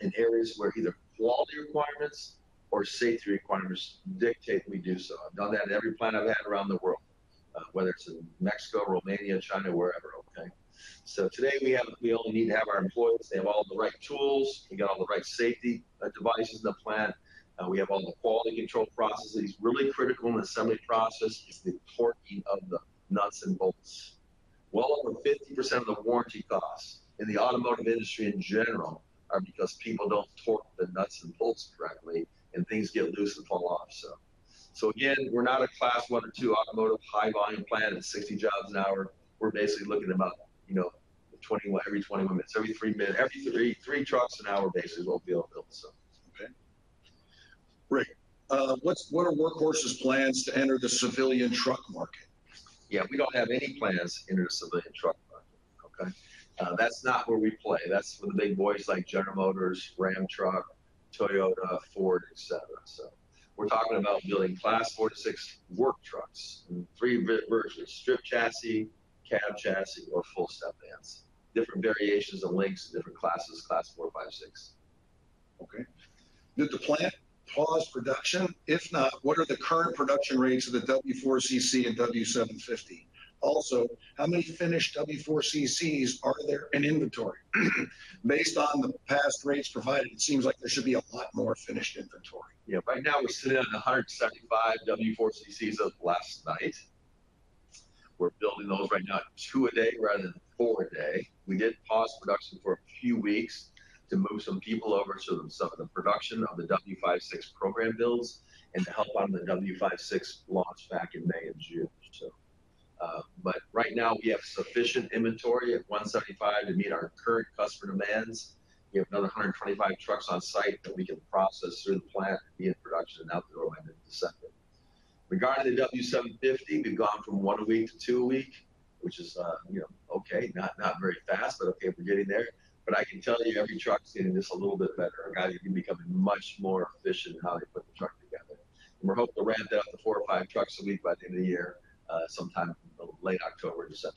in areas where either quality requirements or safety requirements dictate we do so. I've done that in every plant I've had around the world, whether it's in Mexico, Romania, China, wherever, okay? So today, we have. We only need to have our employees, they have all the right tools. We got all the right safety devices in the plant, and we have all the quality control processes. Really critical in the assembly process is the torquing of the nuts and bolts. Well over 50% of the warranty costs in the automotive industry, in general, are because people don't torque the nuts and bolts correctly, and things get loose and fall off. So again, we're not a class one or two automotive high volume plant at 60 jobs an hour. We're basically looking about, you know, 21, every 20 minutes, every three minute, every three, 3 trucks an hour basis, we'll be able to build, so, okay. Rick, what are Workhorse's plans to enter the civilian truck market? Yeah, we don't have any plans to enter the civilian truck market, okay? That's not where we play. That's for the big boys like General Motors, Ram Truck, Toyota, Ford, et cetera. So we're talking about building class 4-6 work trucks in three versions: strip chassis, cab chassis, or full step vans. Different variations and lengths, different classes, class 4, 5, 6. Okay. Did the plant pause production? If not, what are the current production rates of the W4CC and W750? Also, how many finished W4CCs are there in inventory? Based on the past rates provided, it seems like there should be a lot more finished inventory. Yeah. Right now, we're sitting at 175 W4CCs as of last night. We're building those right now, 2 a day rather than 4 a day. We did pause production for a few weeks to move some people over to some of the production of the W56 program builds and to help on the W56 launch back in May and June. So, but right now, we have sufficient inventory at 175 to meet our current customer demands. We have another 125 trucks on site that we can process through the plant, be in production, and out the door by end of December. Regarding the W750, we've gone from 1 a week to 2 a week, which is, you know, okay, not, not very fast, but okay, we're getting there. I can tell you every truck is getting just a little bit better. Our guys are becoming much more efficient in how they put the truck together. We're hoping to ramp it up to four or five trucks a week by the end of the year, sometime late October, December.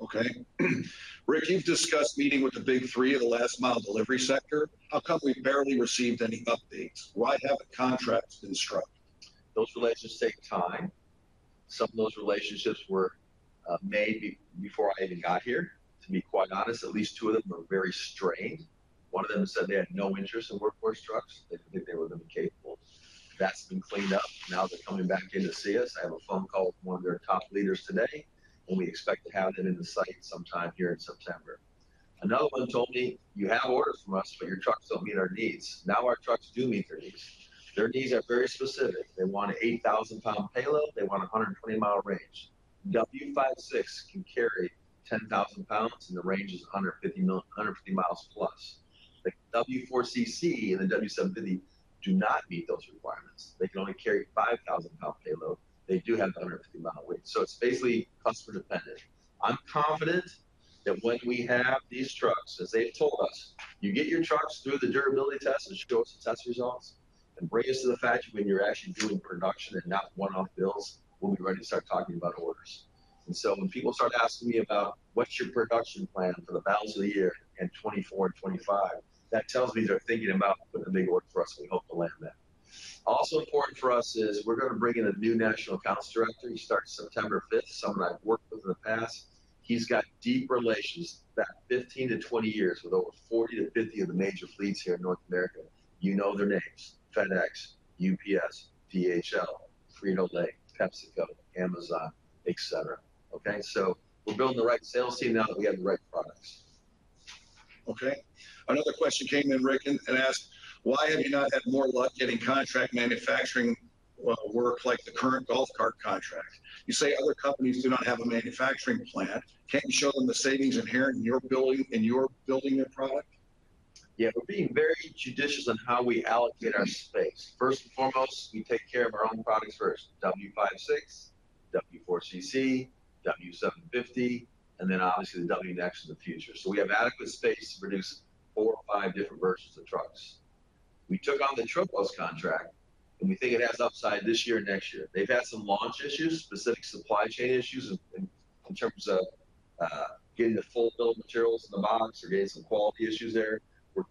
Okay. Rick, you've discussed meeting with the big three of the last mile delivery sector. How come we've barely received any updates? Why haven't contracts been struck? Those relationships take time. Some of those relationships were made before I even got here. To be quite honest, at least two of them are very strained. One of them said they had no interest in Workhorse trucks. They didn't think they were gonna be capable. That's been cleaned up. Now, they're coming back in to see us. I have a phone call with one of their top leaders today, and we expect to have them in the site sometime here in September. Another one told me, "You have orders from us, but your trucks don't meet our needs." Now, our trucks do meet their needs. Their needs are very specific. They want an 8,000-pound payload. They want a 120-mile range. W56 can carry 10,000 pounds, and the range is 150 miles plus. The W4CC and the W750 do not meet those requirements. They can only carry 5,000-pound payload. They do have a 150-mile range. So it's basically customer dependent. I'm confident that when we have these trucks, as they've told us, "You get your trucks through the durability test, and show us the test results, and bring us to the factory when you're actually doing production and not one-off builds, we'll be ready to start talking about orders." And so when people start asking me about, "What's your production plan for the balance of the year in 2024 and 2025?" That tells me they're thinking about putting a big order for us, and we hope to land that. Also important for us is we're gonna bring in a new national accounts director. He starts September 5th, someone I've worked with in the past. He's got deep relations, about 15-20 years, with over 40-50 of the major fleets here in North America. You know their names, FedEx, UPS, DHL, Frito-Lay, PepsiCo, Amazon, et cetera. Okay? So we're building the right sales team now that we have the right products. Okay. Another question came in, Rick, and asked: Why have you not had more luck getting contract manufacturing, well, work like the current golf cart contract? You say other companies do not have a manufacturing plant. Can't you show them the savings inherent in your building, in your building their product? Yeah, we're being very judicious on how we allocate our space. First and foremost, we take care of our own products first, W56, W4CC, W750, and then obviously, the WX in the future. So, we have adequate space to produce 4 or 5 different versions of trucks. We took on the Tropos contract, and we think it has upside this year and next year. They've had some launch issues, specific supply chain issues in terms of getting the full build materials in the box. They're getting some quality issues there. We're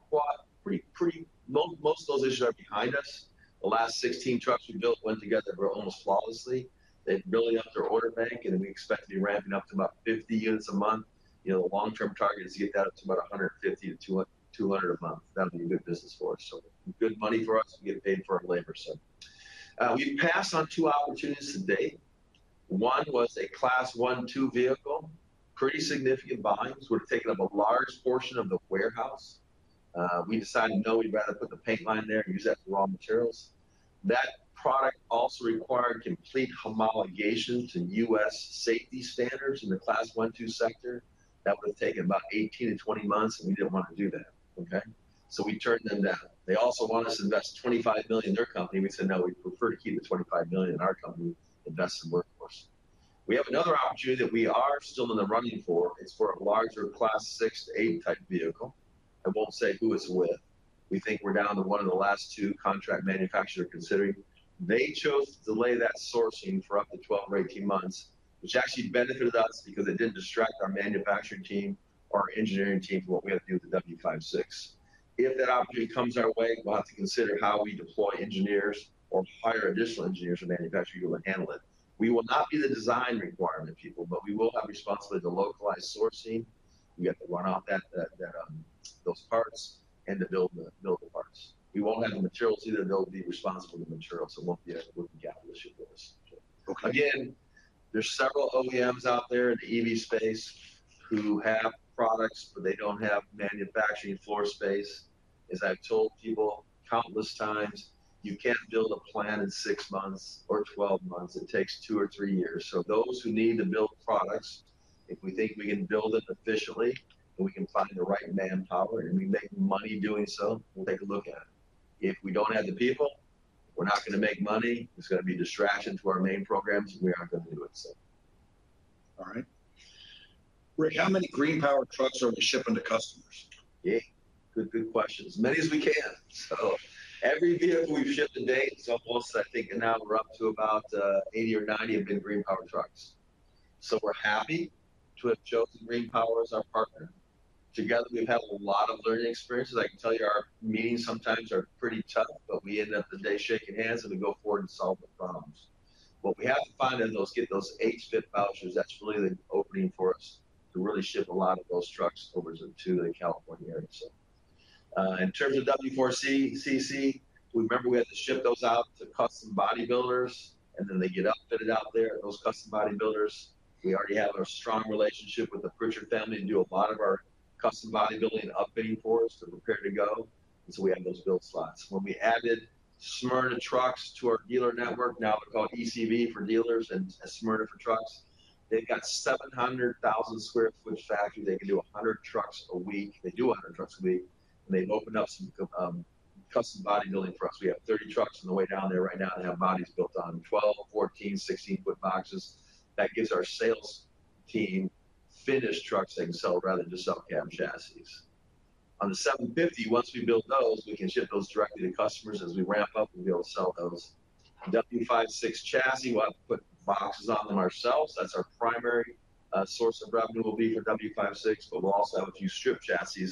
pretty - most of those issues are behind us. The last 16 trucks we built went together almost flawlessly. They've been building up their order bank, and we expect to be ramping up to about 50 units a month. You know, the long-term target is to get that up to about 150-200, 200 a month. That would be a good business for us. So good money for us to get paid for our labor, so. We passed on two opportunities to date... One was a Class 1-2 vehicle, pretty significant volumes. We're taking up a large portion of the warehouse. We decided, no, we'd rather put the paint line there and use that for raw materials. That product also required complete homologation to U.S. safety standards in the Class 1-2 sector. That would have taken about 18-20 months, and we didn't want to do that, okay? So we turned them down. They also want us to invest $25 million in their company. We said, "No, we'd prefer to keep the $25 million in our company, invest in Workhorse." We have another opportunity that we are still in the running for. It's for a larger class 6-8 type vehicle. I won't say who it's with. We think we're down to one of the last two contract manufacturer considering. They chose to delay that sourcing for up to 12 or 18 months, which actually benefited us because it didn't distract our manufacturing team or engineering team from what we had to do with the W56. If that opportunity comes our way, we'll have to consider how we deploy engineers or hire additional engineers or manufacture to handle it. We will not do the design requirement, people, but we will have responsibility to localize sourcing. We have to run off that those parts and to build the parts. We won't have the materials either. They'll be responsible for the materials, so wouldn't get an issue with this. Okay. Again, there's several OEMs out there in the EV space who have products, but they don't have manufacturing floor space. As I've told people countless times, you can't build a plant in 6 months or 12 months. It takes 2 or 3 years. So those who need to build products, if we think we can build it efficiently, and we can find the right manpower, and we make money doing so, we'll take a look at it. If we don't have the people, we're not gonna make money, it's gonna be a distraction to our main programs, we're not gonna do it, so. All right. Rick, how many GreenPower trucks are we shipping to customers? Yeah, good, good question. As many as we can. So every vehicle we've shipped to date is almost, I think, now we're up to about 80 or 90 have been GreenPower trucks. So we're happy to have chosen GreenPower as our partner. Together, we've had a lot of learning experiences. I can tell you our meetings sometimes are pretty tough, but we end up the day shaking hands, and we go forward and solve the problems. What we have to find in those, get those HVIP vouchers, that's really the opening for us to really ship a lot of those trucks over to the California area. So, in terms of W4CC, we remember we had to ship those out to custom body builders, and then they get upfitted out there. Those custom body builders, we already have a strong relationship with the Pritchard family and do a lot of our custom body building upfitting for us. They're prepared to go, and so we have those build slots. When we added Smyrna Truck to our dealer network, now they're called ECV for dealers and Smyrna for trucks. They've got a 700,000 sq ft factory. They can do 100 trucks a week. They do 100 trucks a week, and they've opened up some custom body building for us. We have 30 trucks on the way down there right now, that have bodies built on 12-, 14-, 16-foot boxes. That gives our sales team finished trucks they can sell rather than just some cab chassis. On the 750, once we build those, we can ship those directly to customers. As we ramp up, we'll be able to sell those. W56 chassis, we'll have to put boxes on them ourselves. That's our primary source of revenue will be for W56, but we'll also have a few stripped chassis.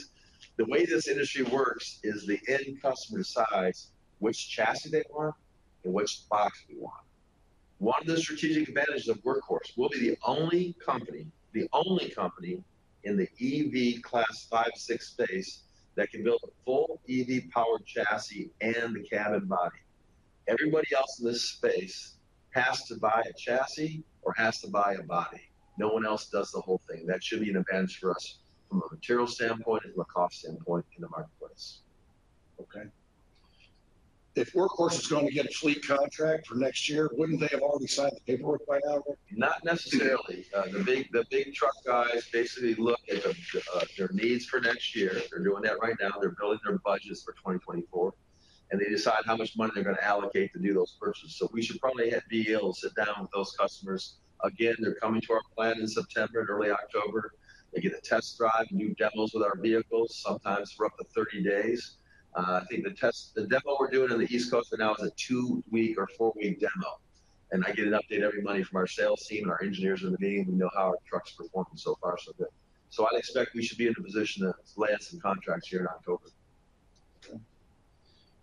The way this industry works is the end customer decides which chassis they want and which box we want. One of the strategic advantages of Workhorse, we'll be the only company, the only company in the EV class 5, 6 space that can build a full EV powered chassis and the cabin body. Everybody else in this space has to buy a chassis or has to buy a body. No one else does the whole thing. That should be an advantage for us from a material standpoint and a cost standpoint in the marketplace. Okay. If Workhorse is going to get a fleet contract for next year, wouldn't they have already signed the paperwork by now? Not necessarily. The big truck guys basically look at their needs for next year. They're doing that right now. They're building their budgets for 2024, and they decide how much money they're gonna allocate to do those purchases. So we should probably have be able to sit down with those customers. Again, they're coming to our plant in September and early October. They get a test drive, new demos with our vehicles, sometimes for up to 30 days. I think the demo we're doing on the East Coast for now is a two-week or four-week demo, and I get an update every Monday from our sales team and our engineers in the meeting. We know how our trucks are performing so far, so good. So I'd expect we should be in a position to land some contracts here in October.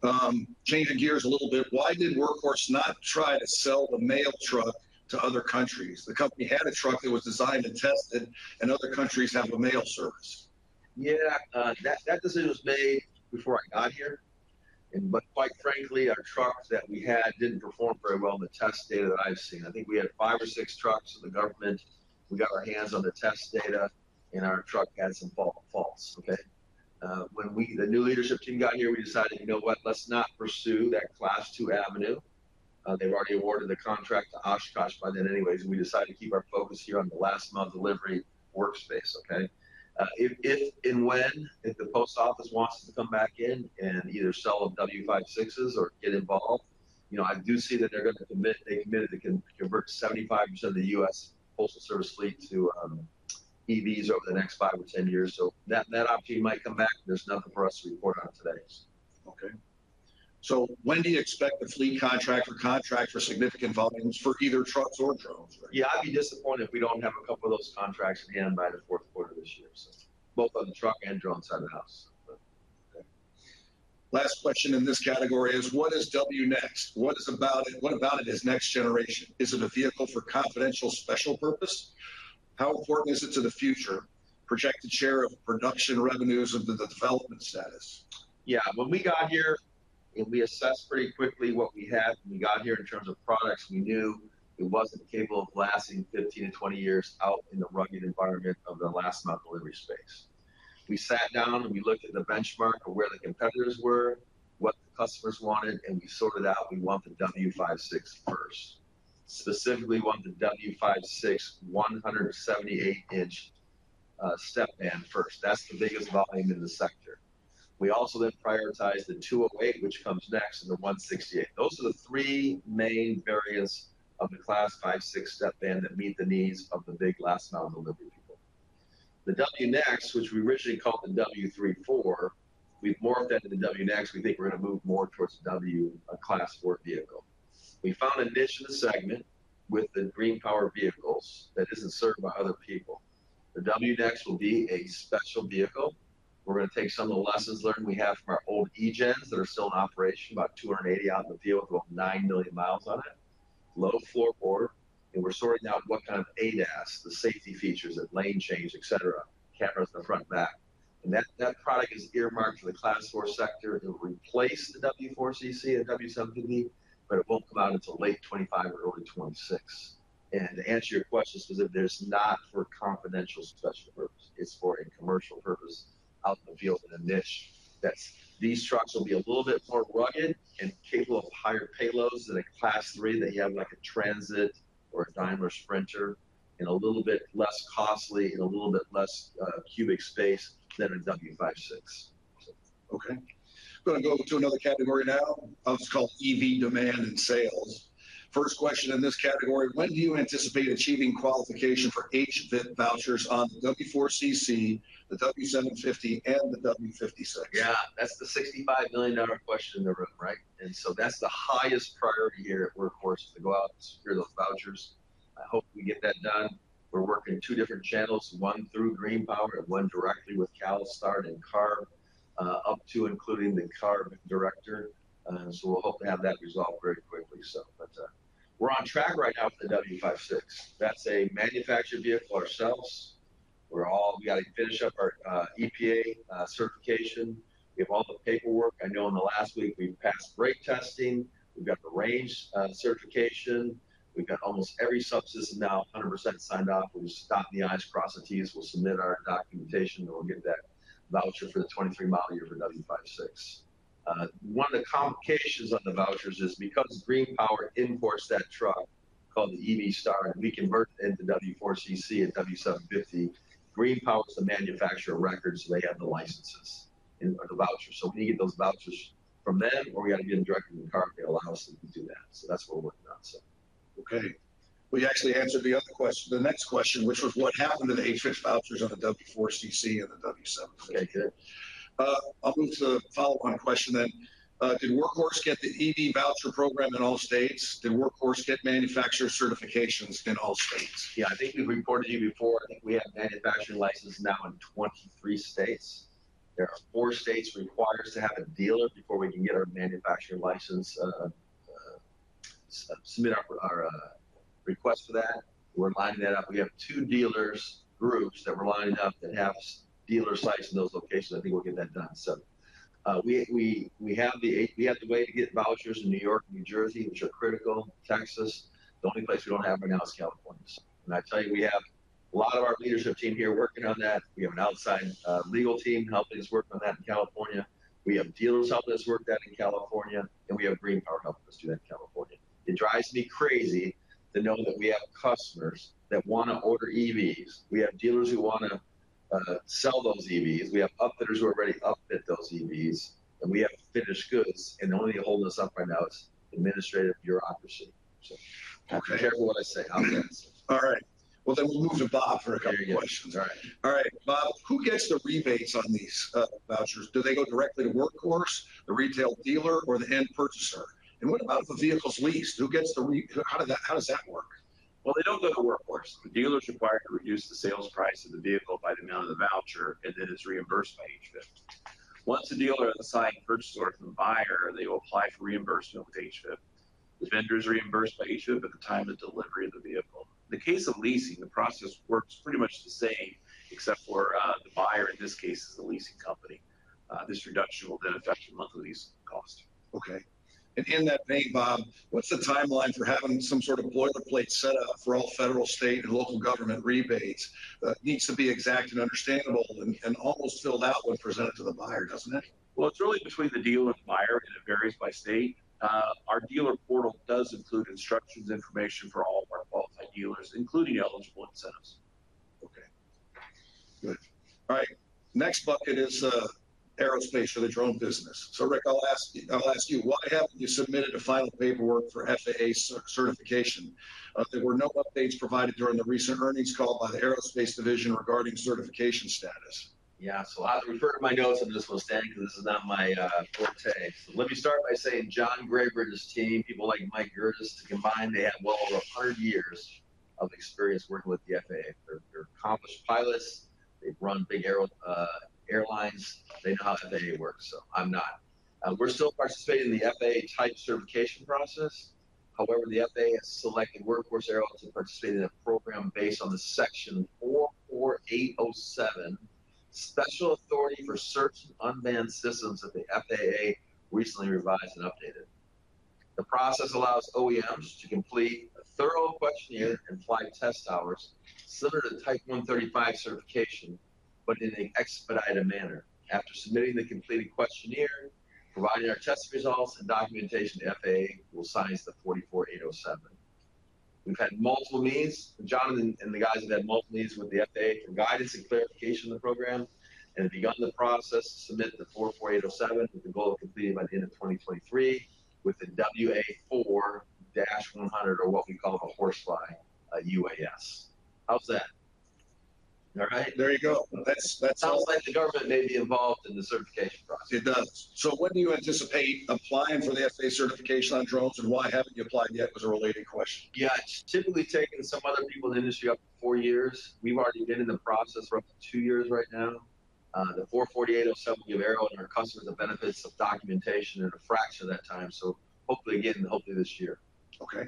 Okay. Changing gears a little bit, why did Workhorse not try to sell the mail truck to other countries? The company had a truck that was designed and tested, and other countries have a mail service. Yeah, that decision was made before I got here. But quite frankly, our trucks that we had didn't perform very well in the test data that I've seen. I think we had 5 or 6 trucks in the government. We got our hands on the test data, and our truck had some faults, okay? When the new leadership team got here, we decided, you know what? Let's not pursue that Class 2 avenue. They've already awarded the contract to Oshkosh by then anyways, and we decided to keep our focus here on the last mile delivery workspace, okay? If and when the post office wants us to come back in and either sell them W56s or get involved, you know, I do see that they're gonna commit... They committed to convert 75% of the U.S. Postal Service fleet to EVs over the next 5 or 10 years. That opportunity might come back, but there's nothing for us to report on today. Okay. So when do you expect the fleet contract or contract for significant volumes for either trucks or drones? Yeah, I'd be disappointed if we don't have a couple of those contracts again by the fourth quarter of this year, so both on the truck and drone side of the house, but- Okay. Last question in this category is, what is WNext? What is about it—what about it is next generation? Is it a vehicle for confidential special purpose? How important is it to the future, projected share of production revenues of the development status? Yeah, when we got here, and we assessed pretty quickly what we had when we got here in terms of products. We knew it wasn't capable of lasting 15-20 years out in the rugged environment of the last mile delivery space. We sat down, and we looked at the benchmark of where the competitors were, what the customers wanted, and we sorted out we want the W56 first. Specifically, we want the W56 178-inch step van first. That's the biggest volume in the sector. We also then prioritized the 208, which comes next, and the 168. Those are the three main variants of the Class 5, 6 step van that meet the needs of the big last mile delivery people. The WNext, which we originally called the W34, we've morphed that into WNext. We think we're gonna move more towards the W, a Class 4 vehicle. We found a niche in the segment with the GreenPower vehicles that isn't served by other people. The WNext will be a special vehicle. We're gonna take some of the lessons learned we have from our old E-GENs that are still in operation, about 280 out in the field, with 9 million miles on it, low floor board, and we're sorting out what kind of ADAS, the safety features, the lane change, et cetera, cameras in the front and back. And that product is earmarked for the Class 4 sector. It'll replace the W4CC and W750, but it won't come out until late 2025 or early 2026. To answer your question, Susan, it is not for confidential special purpose. It's for a commercial purpose out in the field, in a niche that's these trucks will be a little bit more rugged and capable of higher payloads than a Class 3, that you have, like a Transit or a Daimler Sprinter, and a little bit less costly and a little bit less cubic space than a W56. Okay. I'm gonna go to another category now, it's called EV demand and sales. First question in this category: When do you anticipate achieving qualification for HVIP vouchers on the W4CC, the W750, and the W56? Yeah, that's the $65 million question in the room, right? And so that's the highest priority here at Workhorse, is to go out and secure those vouchers. I hope we get that done. We're working two different channels, one through GreenPower and one directly with CALSTART and CARB, up to including the CARB director. So we'll hope to have that resolved very quickly. But we're on track right now for the W56. That's a manufactured vehicle ourselves. We gotta finish up our EPA certification. We have all the paperwork. I know in the last week, we've passed brake testing, we've got the range certification. We've got almost every subsystem now, 100% signed off. We just dot the I's, cross the T's. We'll submit our documentation, and we'll get that voucher for the 2023 model year for W56. One of the complications on the vouchers is because GreenPower imports that truck, called the EV Star, and we convert it into W4CC and W750, GreenPower is the manufacturer of record, so they have the licenses and the vouchers. So we need those vouchers from them, or we gotta get them directly from CARB. They allow us to do that, so that's what we're working on, so. Okay. Well, you actually answered the other question, the next question, which was: What happened to the HVIP vouchers on the W4CC and the W750? Okay, good. I'll move to a follow-on question then. Did Workhorse get the EV voucher program in all states? Did Workhorse get manufacturer certifications in all states? Yeah, I think we've reported to you before. I think we have a manufacturer license now in 23 states. There are four states required us to have a dealer before we can get our manufacturer license, submit our request for that. We're lining that up. We have two dealers, groups that we're lining up that have dealer sites in those locations. I think we'll get that done. So, we have the way to get vouchers in New York, New Jersey, which are critical, Texas. The only place we don't have one now is California. And I tell you, we have a lot of our leadership team here working on that. We have an outside legal team helping us work on that in California. We have dealers helping us work that in California, and we have GreenPower helping us do that in California. It drives me crazy to know that we have customers that wanna order EVs. We have dealers who wanna sell those EVs, we have upfitters who are ready to upfit those EVs, and we have finished goods, and the only thing holding us up right now is administrative bureaucracy. Okay. Be careful what I say on this. All right. Well, then we'll move to Bob for a couple of questions. All right. All right, Bob, who gets the rebates on these vouchers? Do they go directly to Workhorse, the retail dealer, or the end purchaser? And what about the vehicles leased? How does that work? Well, they don't go to Workhorse. The dealer's required to reduce the sales price of the vehicle by the amount of the voucher, and then it's reimbursed by HVIP. Once the dealer at the site purchases from the buyer, they will apply for reimbursement with HVIP. The vendor is reimbursed by HVIP at the time of delivery of the vehicle. In the case of leasing, the process works pretty much the same, except for, the buyer in this case is the leasing company. This reduction will benefit your monthly lease cost. Okay. And in that vein, Bob, what's the timeline for having some sort of boilerplate set up for all federal, state, and local government rebates? It needs to be exact and understandable and, and almost filled out when presented to the buyer, doesn't it? Well, it's really between the dealer and the buyer, and it varies by state. Our dealer portal does include instructions, information for all of our qualified dealers, including eligible incentives. Okay, good. All right. Next bucket is aerospace for the drone business. So, Rick, I'll ask you why haven't you submitted the final paperwork for FAA certification? There were no updates provided during the recent earnings call on the aerospace division regarding certification status. Yeah, so I'll have to refer to my notes. I'm just gonna stand because this is not my forte. Let me start by saying John Graber and his team, people like Mike Gerdes, combined, they have well over 100 years of experience working with the FAA. They're, they're accomplished pilots. They've run big aero airlines. They know how they work, so I'm not. We're still participating in the FAA type certification process. However, the FAA has selected Workhorse Aerospace to participate in a program based on the Section 44807 Special authority for search and unmanned systems that the FAA recently revised and updated. The process allows OEMs to complete a thorough questionnaire and flight test hours similar to Type 135 certification, but in an expedited manner. After submitting the completed questionnaire, providing our test results and documentation, the FAA will sign us the 44807. We've had multiple meetings, John and the guys have had multiple meetings with the FAA for guidance and clarification on the program, and have begun the process to submit the 44807, with the goal of completing by the end of 2023 with the WA4-100, or what we call a Horsefly, a UAS. How's that? All right. There you go. That's all- Sounds like the government may be involved in the certification process. It does. So when do you anticipate applying for the FAA certification on drones, and why haven't you applied yet, was a related question? Yeah, it's typically taken some other people in the industry up to 4 years. We've already been in the process for up to 2 years right now. The 44807 give Aero and our customers the benefits of documentation in a fraction of that time. So hopefully again, hopefully this year. Okay.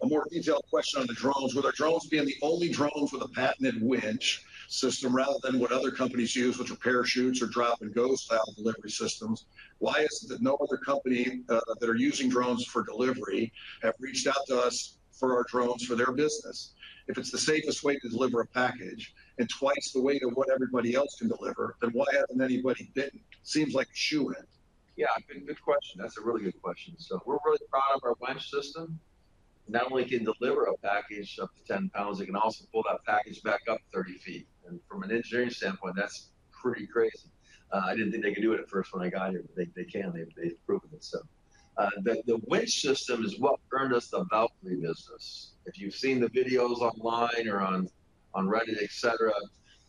A more detailed question on the drones. With our drones being the only drones with a patented winch system rather than what other companies use, which are parachutes or drop and go style delivery systems, why is it that no other company that are using drones for delivery have reached out to us for our drones, for their business? If it's the safest way to deliver a package and twice the weight of what everybody else can deliver, then why hasn't anybody bitten? Seems like a shoo-in. Yeah, good question. That's a really good question. So we're really proud of our winch system. Not only can it deliver a package up to 10 pounds, it can also pull that package back up 30 feet, and from an engineering standpoint, that's pretty crazy. I didn't think they could do it at first when I got here, but they can. They've proven it. So, the winch system is what earned us the Valqari business. If you've seen the videos online or on Reddit, et cetera,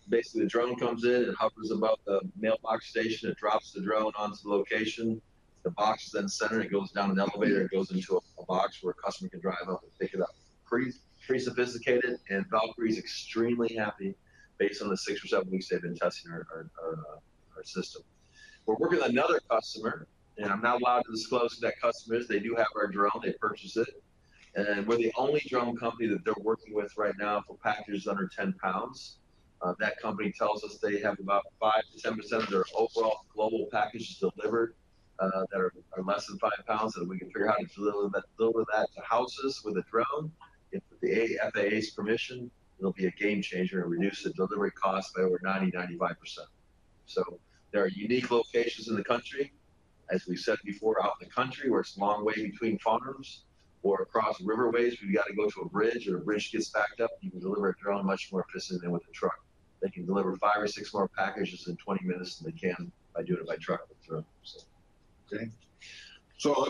basically, the drone comes in, it hovers above the mailbox station, it drops the drone onto the location. The box is then centered, and it goes down an elevator, and it goes into a box where a customer can drive up and pick it up. Pretty, pretty sophisticated, and Valkyrie is extremely happy based on the 6 or 7 weeks they've been testing our system. We're working with another customer, and I'm not allowed to disclose who that customer is. They do have our drone, they purchased it, and we're the only drone company that they're working with right now for packages under 10 pounds. That company tells us they have about 5%-10% of their overall global packages delivered that are less than 5 pounds, and we can figure out how to deliver that to houses with a drone. With the FAA's permission, it'll be a game changer and reduce the delivery cost by over 95%. There are unique locations in the country, as we've said before, out in the country where it's a long way between farm homes or across riverways, where you got to go through a bridge, or a bridge gets backed up. You can deliver a drone much more efficient than with a truck. They can deliver five or six more packages in 20 minutes than they can by doing it by truck or drone, so. Okay. So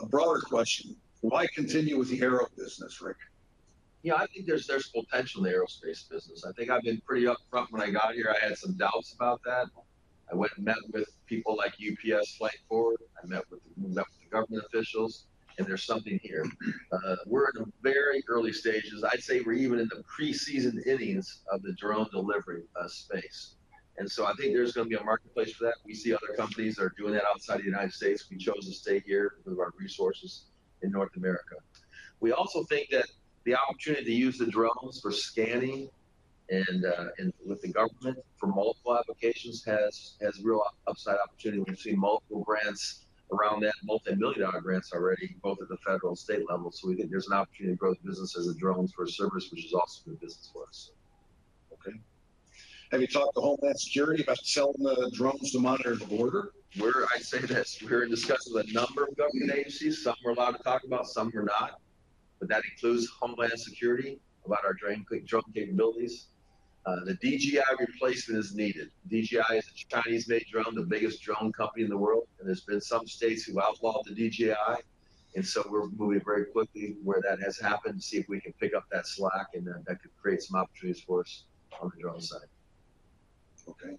a broader question: Why continue with the Aero business, Rick? Yeah, I think there's potential in the aerospace business. I think I've been pretty up front. When I got here, I had some doubts about that. I went and met with people like UPS Flight Forward, met with the government officials, and there's something here. We're in the very early stages. I'd say we're even in the preseason innings of the drone delivery space. And so, I think there's going to be a marketplace for that. We see other companies are doing that outside the United States. We chose to stay here with our resources in North America. We also think that the opportunity to use the drones for scanning and with the government for multiple applications has real upside opportunity. We've seen multiple grants around that, multimillion-dollar grants already, both at the federal and state level. We think there's an opportunity to grow the business as a drones for a service, which is also a good business for us. Okay. Have you talked to Homeland Security about selling the drones to monitor the border? We're in discussions with a number of government agencies. Some we're allowed to talk about, some we're not, but that includes Homeland Security about our drone capabilities. The DJI replacement is needed. DJI is a Chinese-made drone, the biggest drone company in the world, and there's been some states who outlawed the DJI, and so we're moving very quickly where that has happened to see if we can pick up that slack, and then that could create some opportunities for us on the drone side. Okay.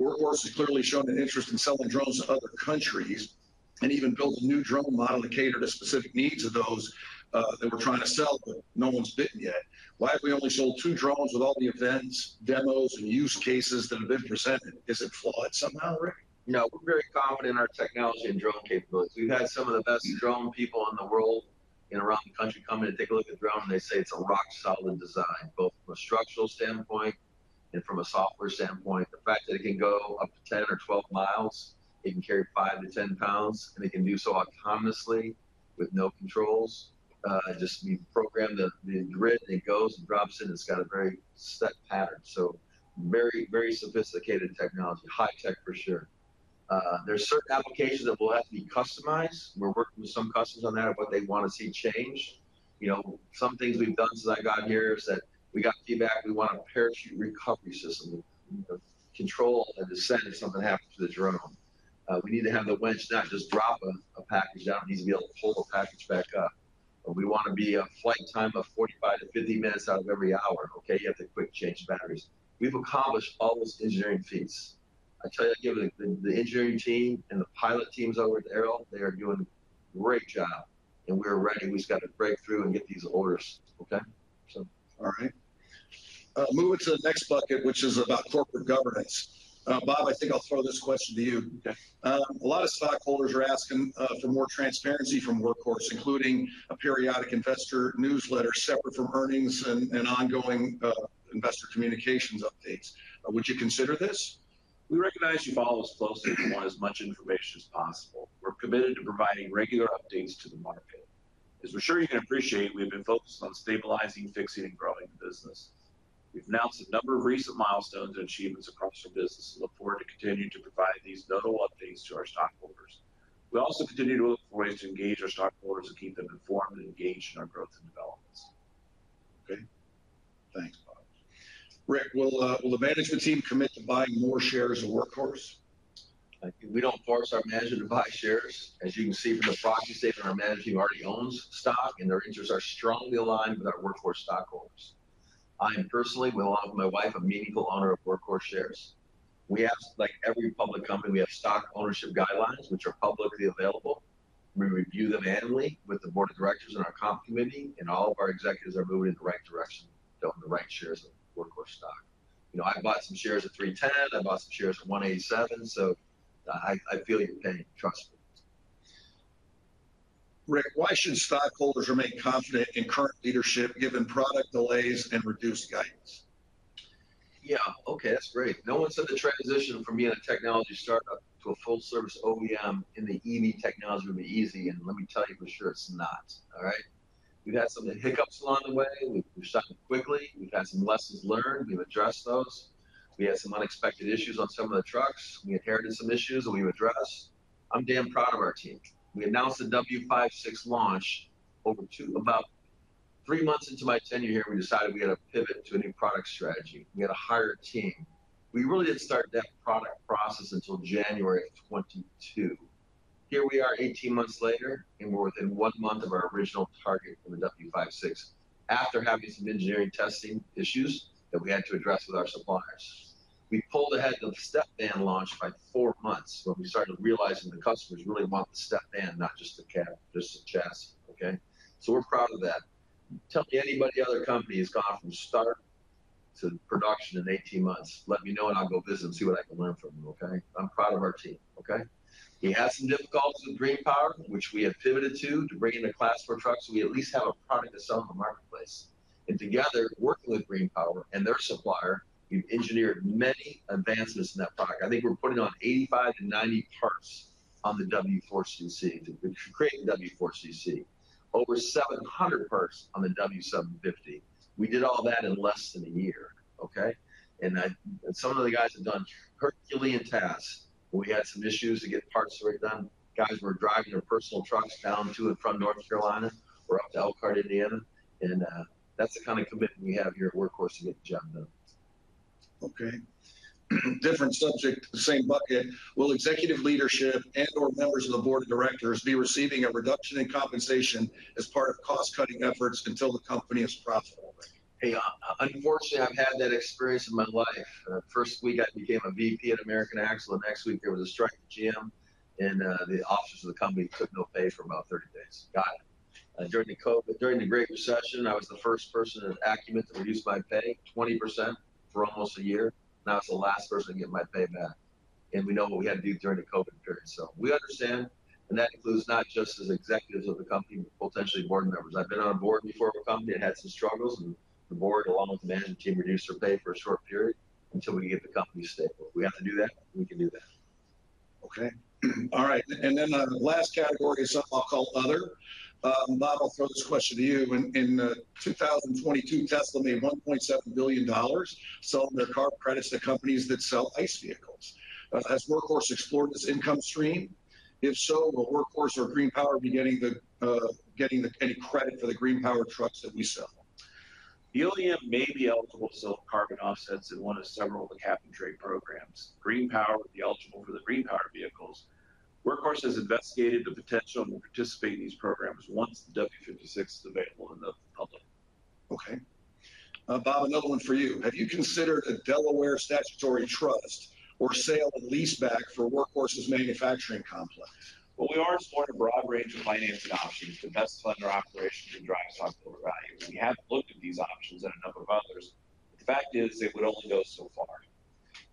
Workhorse has clearly shown an interest in selling drones to other countries and even built a new drone model to cater to specific needs of those, that we're trying to sell, but no one's bitten yet. Why have we only sold 2 drones with all the events, demos, and use cases that have been presented? Is it flawed somehow, Rick? No, we're very confident in our technology and drone capabilities. We've had some of the best drone people in the world, in around the country, come in and take a look at the drone, and they say it's a rock-solid design, both from a structural standpoint and from a software standpoint. The fact that it can go up to 10 or 12 miles, it can carry 5-10 pounds, and it can do so autonomously with no controls, just you program the grid, and it goes and drops in. It's got a very set pattern, so very, very sophisticated technology. High tech, for sure. There are certain applications that will have to be customized. We're working with some customers on that, of what they want to see changed. You know, some things we've done since I got here is that we got feedback we want a parachute recovery system, control the descent if something happens to the drone. We need to have the winch not just drop a package down, it needs to be able to pull the package back up. And we want a flight time of 45-50 minutes out of every hour, okay? You have to quick change the batteries. We've accomplished all this engineering feats. I tell you, given the engineering team and the pilot teams over at Aero, they are doing a great job, and we're ready. We've just got to break through and get these orders. Okay? So... All right. Moving to the next bucket, which is about corporate governance.... Bob, I think I'll throw this question to you. Yeah. A lot of stockholders are asking for more transparency from Workhorse, including a periodic investor newsletter separate from earnings and ongoing investor communications updates. Would you consider this? We recognize you follow us closely and you want as much information as possible. We're committed to providing regular updates to the market. As we're sure you can appreciate, we have been focused on stabilizing, fixing, and growing the business. We've announced a number of recent milestones and achievements across our business and look forward to continuing to provide these notable updates to our stockholders. We also continue to look for ways to engage our stockholders and keep them informed and engaged in our growth and developments. Okay, thanks, Bob. Rick, will the management team commit to buying more shares of Workhorse? We don't force our management to buy shares. As you can see from the Proxy Statement, our management already owns stock, and their interests are strongly aligned with our Workhorse stockholders. I personally will offer my wife a meaningful honor of Workhorse shares. We have, like every public company, we have stock ownership guidelines, which are publicly available. We review them annually with the board of directors and our comp committee, and all of our executives are moved in the right direction to own the right shares of Workhorse stock. You know, I bought some shares at $3.10, I bought some shares at $1.87, so I, I feel your pain. Trust me. Rick, why should stockholders remain confident in current leadership, given product delays and reduced guidance? Yeah. Okay, that's great. No one said the transition from being a technology startup to a full-service OEM in the EV technology would be easy, and let me tell you for sure, it's not. All right? We've had some of the hiccups along the way. We've stopped them quickly. We've had some lessons learned, we've addressed those. We had some unexpected issues on some of the trucks. We inherited some issues that we've addressed. I'm damn proud of our team. We announced the W56 launch over two... About three months into my tenure here, we decided we had to pivot to a new product strategy. We had to hire a team. We really didn't start that product process until January of 2022. Here we are, 18 months later, and we're within one month of our original target for the W56. After having some engineering testing issues that we had to address with our suppliers, we pulled ahead of the step van launch by 4 months, when we started realizing the customers really want the step van, not just the cab, just the chassis, okay? So, we're proud of that. Tell me any other company that's gone from start to production in 18 months. Let me know, and I'll go visit and see what I can learn from them, okay? I'm proud of our team, okay? We had some difficulties with GreenPower, which we have pivoted to, to bring in a class 4 truck, so we at least have a product to sell in the marketplace. And together, working with GreenPower and their supplier, we've engineered many advancements in that product. I think we're putting on 85-90 parts on the W4CC, to create the W4CC. Over 700 parts on the W750. We did all that in less than a year, okay? And I and some of the guys have done herculean tasks. We had some issues to get parts done. Guys were driving their personal trucks down to and from North Carolina or up to Elkhart, Indiana, and that's the kind of commitment we have here at Workhorse to get the job done. Okay. Different subject, same bucket. Will executive leadership and or members of the board of directors be receiving a reduction in compensation as part of cost-cutting efforts until the company is profitable? Hey, unfortunately, I've had that experience in my life. First week I became a VP at American Axle, and next week there was a strike at GM, and the officers of the company took no pay for about 30 days. Got it. And during the COVID, during the Great Recession, I was the first person at Acument to reduce my pay 20% for almost a year, and I was the last person to get my pay back. And we know what we had to do during the COVID period, so we understand, and that includes not just as executives of the company, but potentially board members. I've been on a board before of a company that had some struggles, and the board, along with the management team, reduced their pay for a short period until we could get the company stable. If we have to do that, we can do that. Okay. All right, and then the last category is something I'll call other. Bob, I'll throw this question to you. In 2022, Tesla made $1.7 billion selling their car credits to companies that sell ICE vehicles. Has Workhorse explored this income stream? If so, will Workhorse or GreenPower be getting any credit for the GreenPower trucks that we sell? The OEM may be eligible to sell carbon offsets in one of several of the cap and trade programs. GreenPower would be eligible for the GreenPower vehicles. Workhorse has investigated the potential and will participate in these programs once the W56 is available in the public. Okay. Bob, another one for you. Have you considered a Delaware statutory trust or sale and lease back for Workhorse's manufacturing complex? Well, we are exploring a broad range of financing options to best fund our operations and drive stockholder value. We have looked at these options and a number of others. The fact is, it would only go so far.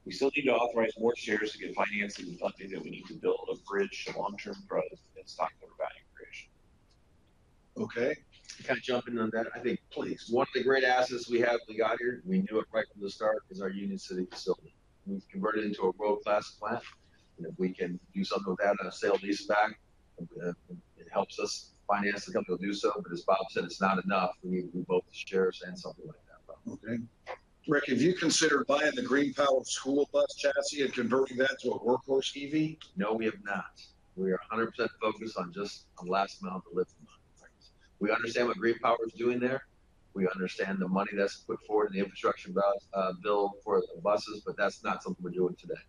We still need to authorize more shares to get financing and funding that we need to build a bridge to long-term growth and stockholder value creation. Okay. Can I jump in on that? I think, please. One of the great assets we have, we got here, we knew it right from the start, is our Union City facility. We've converted it into a world-class plant, and if we can do something with that on a sale and lease back, it helps us finance the company to do so. But as Bob said, it's not enough. We need to do both the shares and something like that, Bob. Okay. Rick, have you considered buying the GreenPower school bus chassis and converting that to a Workhorse EV? No, we have not. We are 100% focused on just on the last mile delivery. We understand what GreenPower is doing there. We understand the money that's put forward in the infrastructure bill for the buses, but that's not something we're doing today.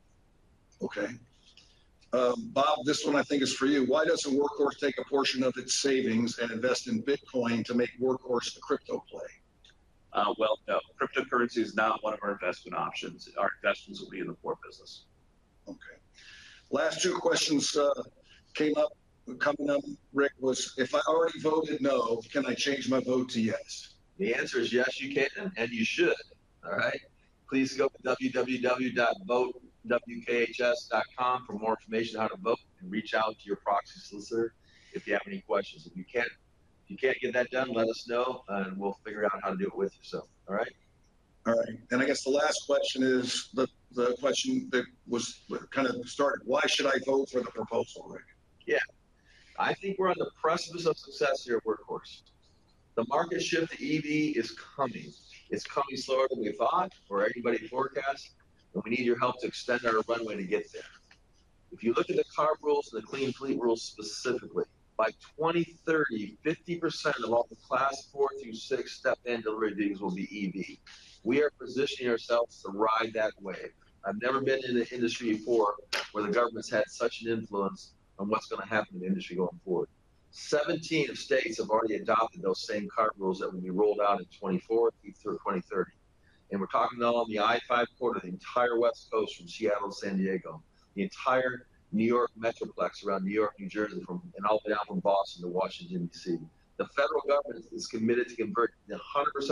Okay. Bob, this one I think is for you. Why doesn't Workhorse take a portion of its savings and invest in Bitcoin to make Workhorse a crypto play? Well, no, cryptocurrency is not one of our investment options. Our investments will be in the core business.... Last two questions came up, Rick, was, "If I already voted no, can I change my vote to yes? The answer is yes, you can, and you should. All right? Please go to www.votewkhs.com for more information on how to vote, and reach out to your proxy solicitor if you have any questions. If you can't, you can't get that done, let us know, and we'll figure out how to do it with you. So, all right? All right. Then I guess the last question is the, the question that was kind of the start: "Why should I vote for the proposal, Rick? Yeah. I think we're on the precipice of success here at Workhorse. The market shift to EV is coming. It's coming slower than we thought or anybody forecast, and we need your help to extend our runway to get there. If you look at the CARB rules and the Clean Fleet rules specifically, by 2030, 50% of all the Class 4 through 6 step van deliveries will be EV. We are positioning ourselves to ride that wave. I've never been in an industry before where the government's had such an influence on what's going to happen in the industry going forward. 17 states have already adopted those same CARB rules that will be rolled out in 2024 through 2030, and we're talking now on the I-5 corridor, the entire West Coast from Seattle to San Diego, the entire New York metroplex around New York, New Jersey, and all the way out from Boston to Washington, D.C. The federal government is committed to converting 100%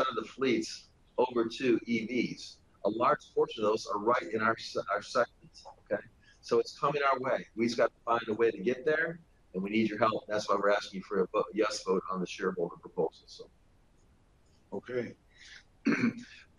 of the fleets over to EVs. A large portion of those are right in our our segments, okay? So, it's coming our way. We've just got to find a way to get there, and we need your help. That's why we're asking you for a yes vote on the shareholder proposal, so. Okay.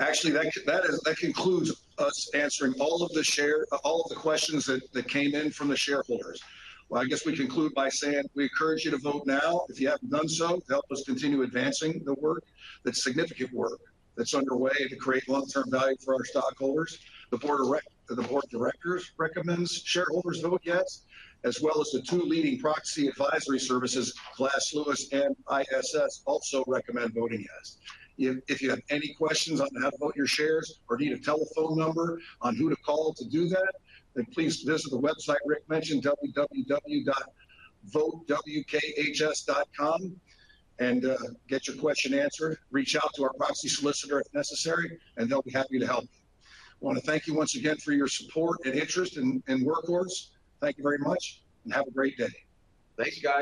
Actually, that concludes us answering all of the questions that came in from the shareholders. Well, I guess we conclude by saying we encourage you to vote now, if you haven't done so, to help us continue advancing the work, the significant work that's underway to create long-term value for our stockholders. The board of directors recommends shareholders vote yes, as well as the two leading proxy advisory services, Glass Lewis and ISS, also recommend voting yes. If you have any questions on how to vote your shares or need a telephone number on who to call to do that, then please visit the website Rick mentioned, www.votewkhs.com, and get your question answered. Reach out to our proxy solicitor if necessary, and they'll be happy to help you. I want to thank you once again for your support and interest in, in Workhorse. Thank you very much, and have a great day. Thank you, guys.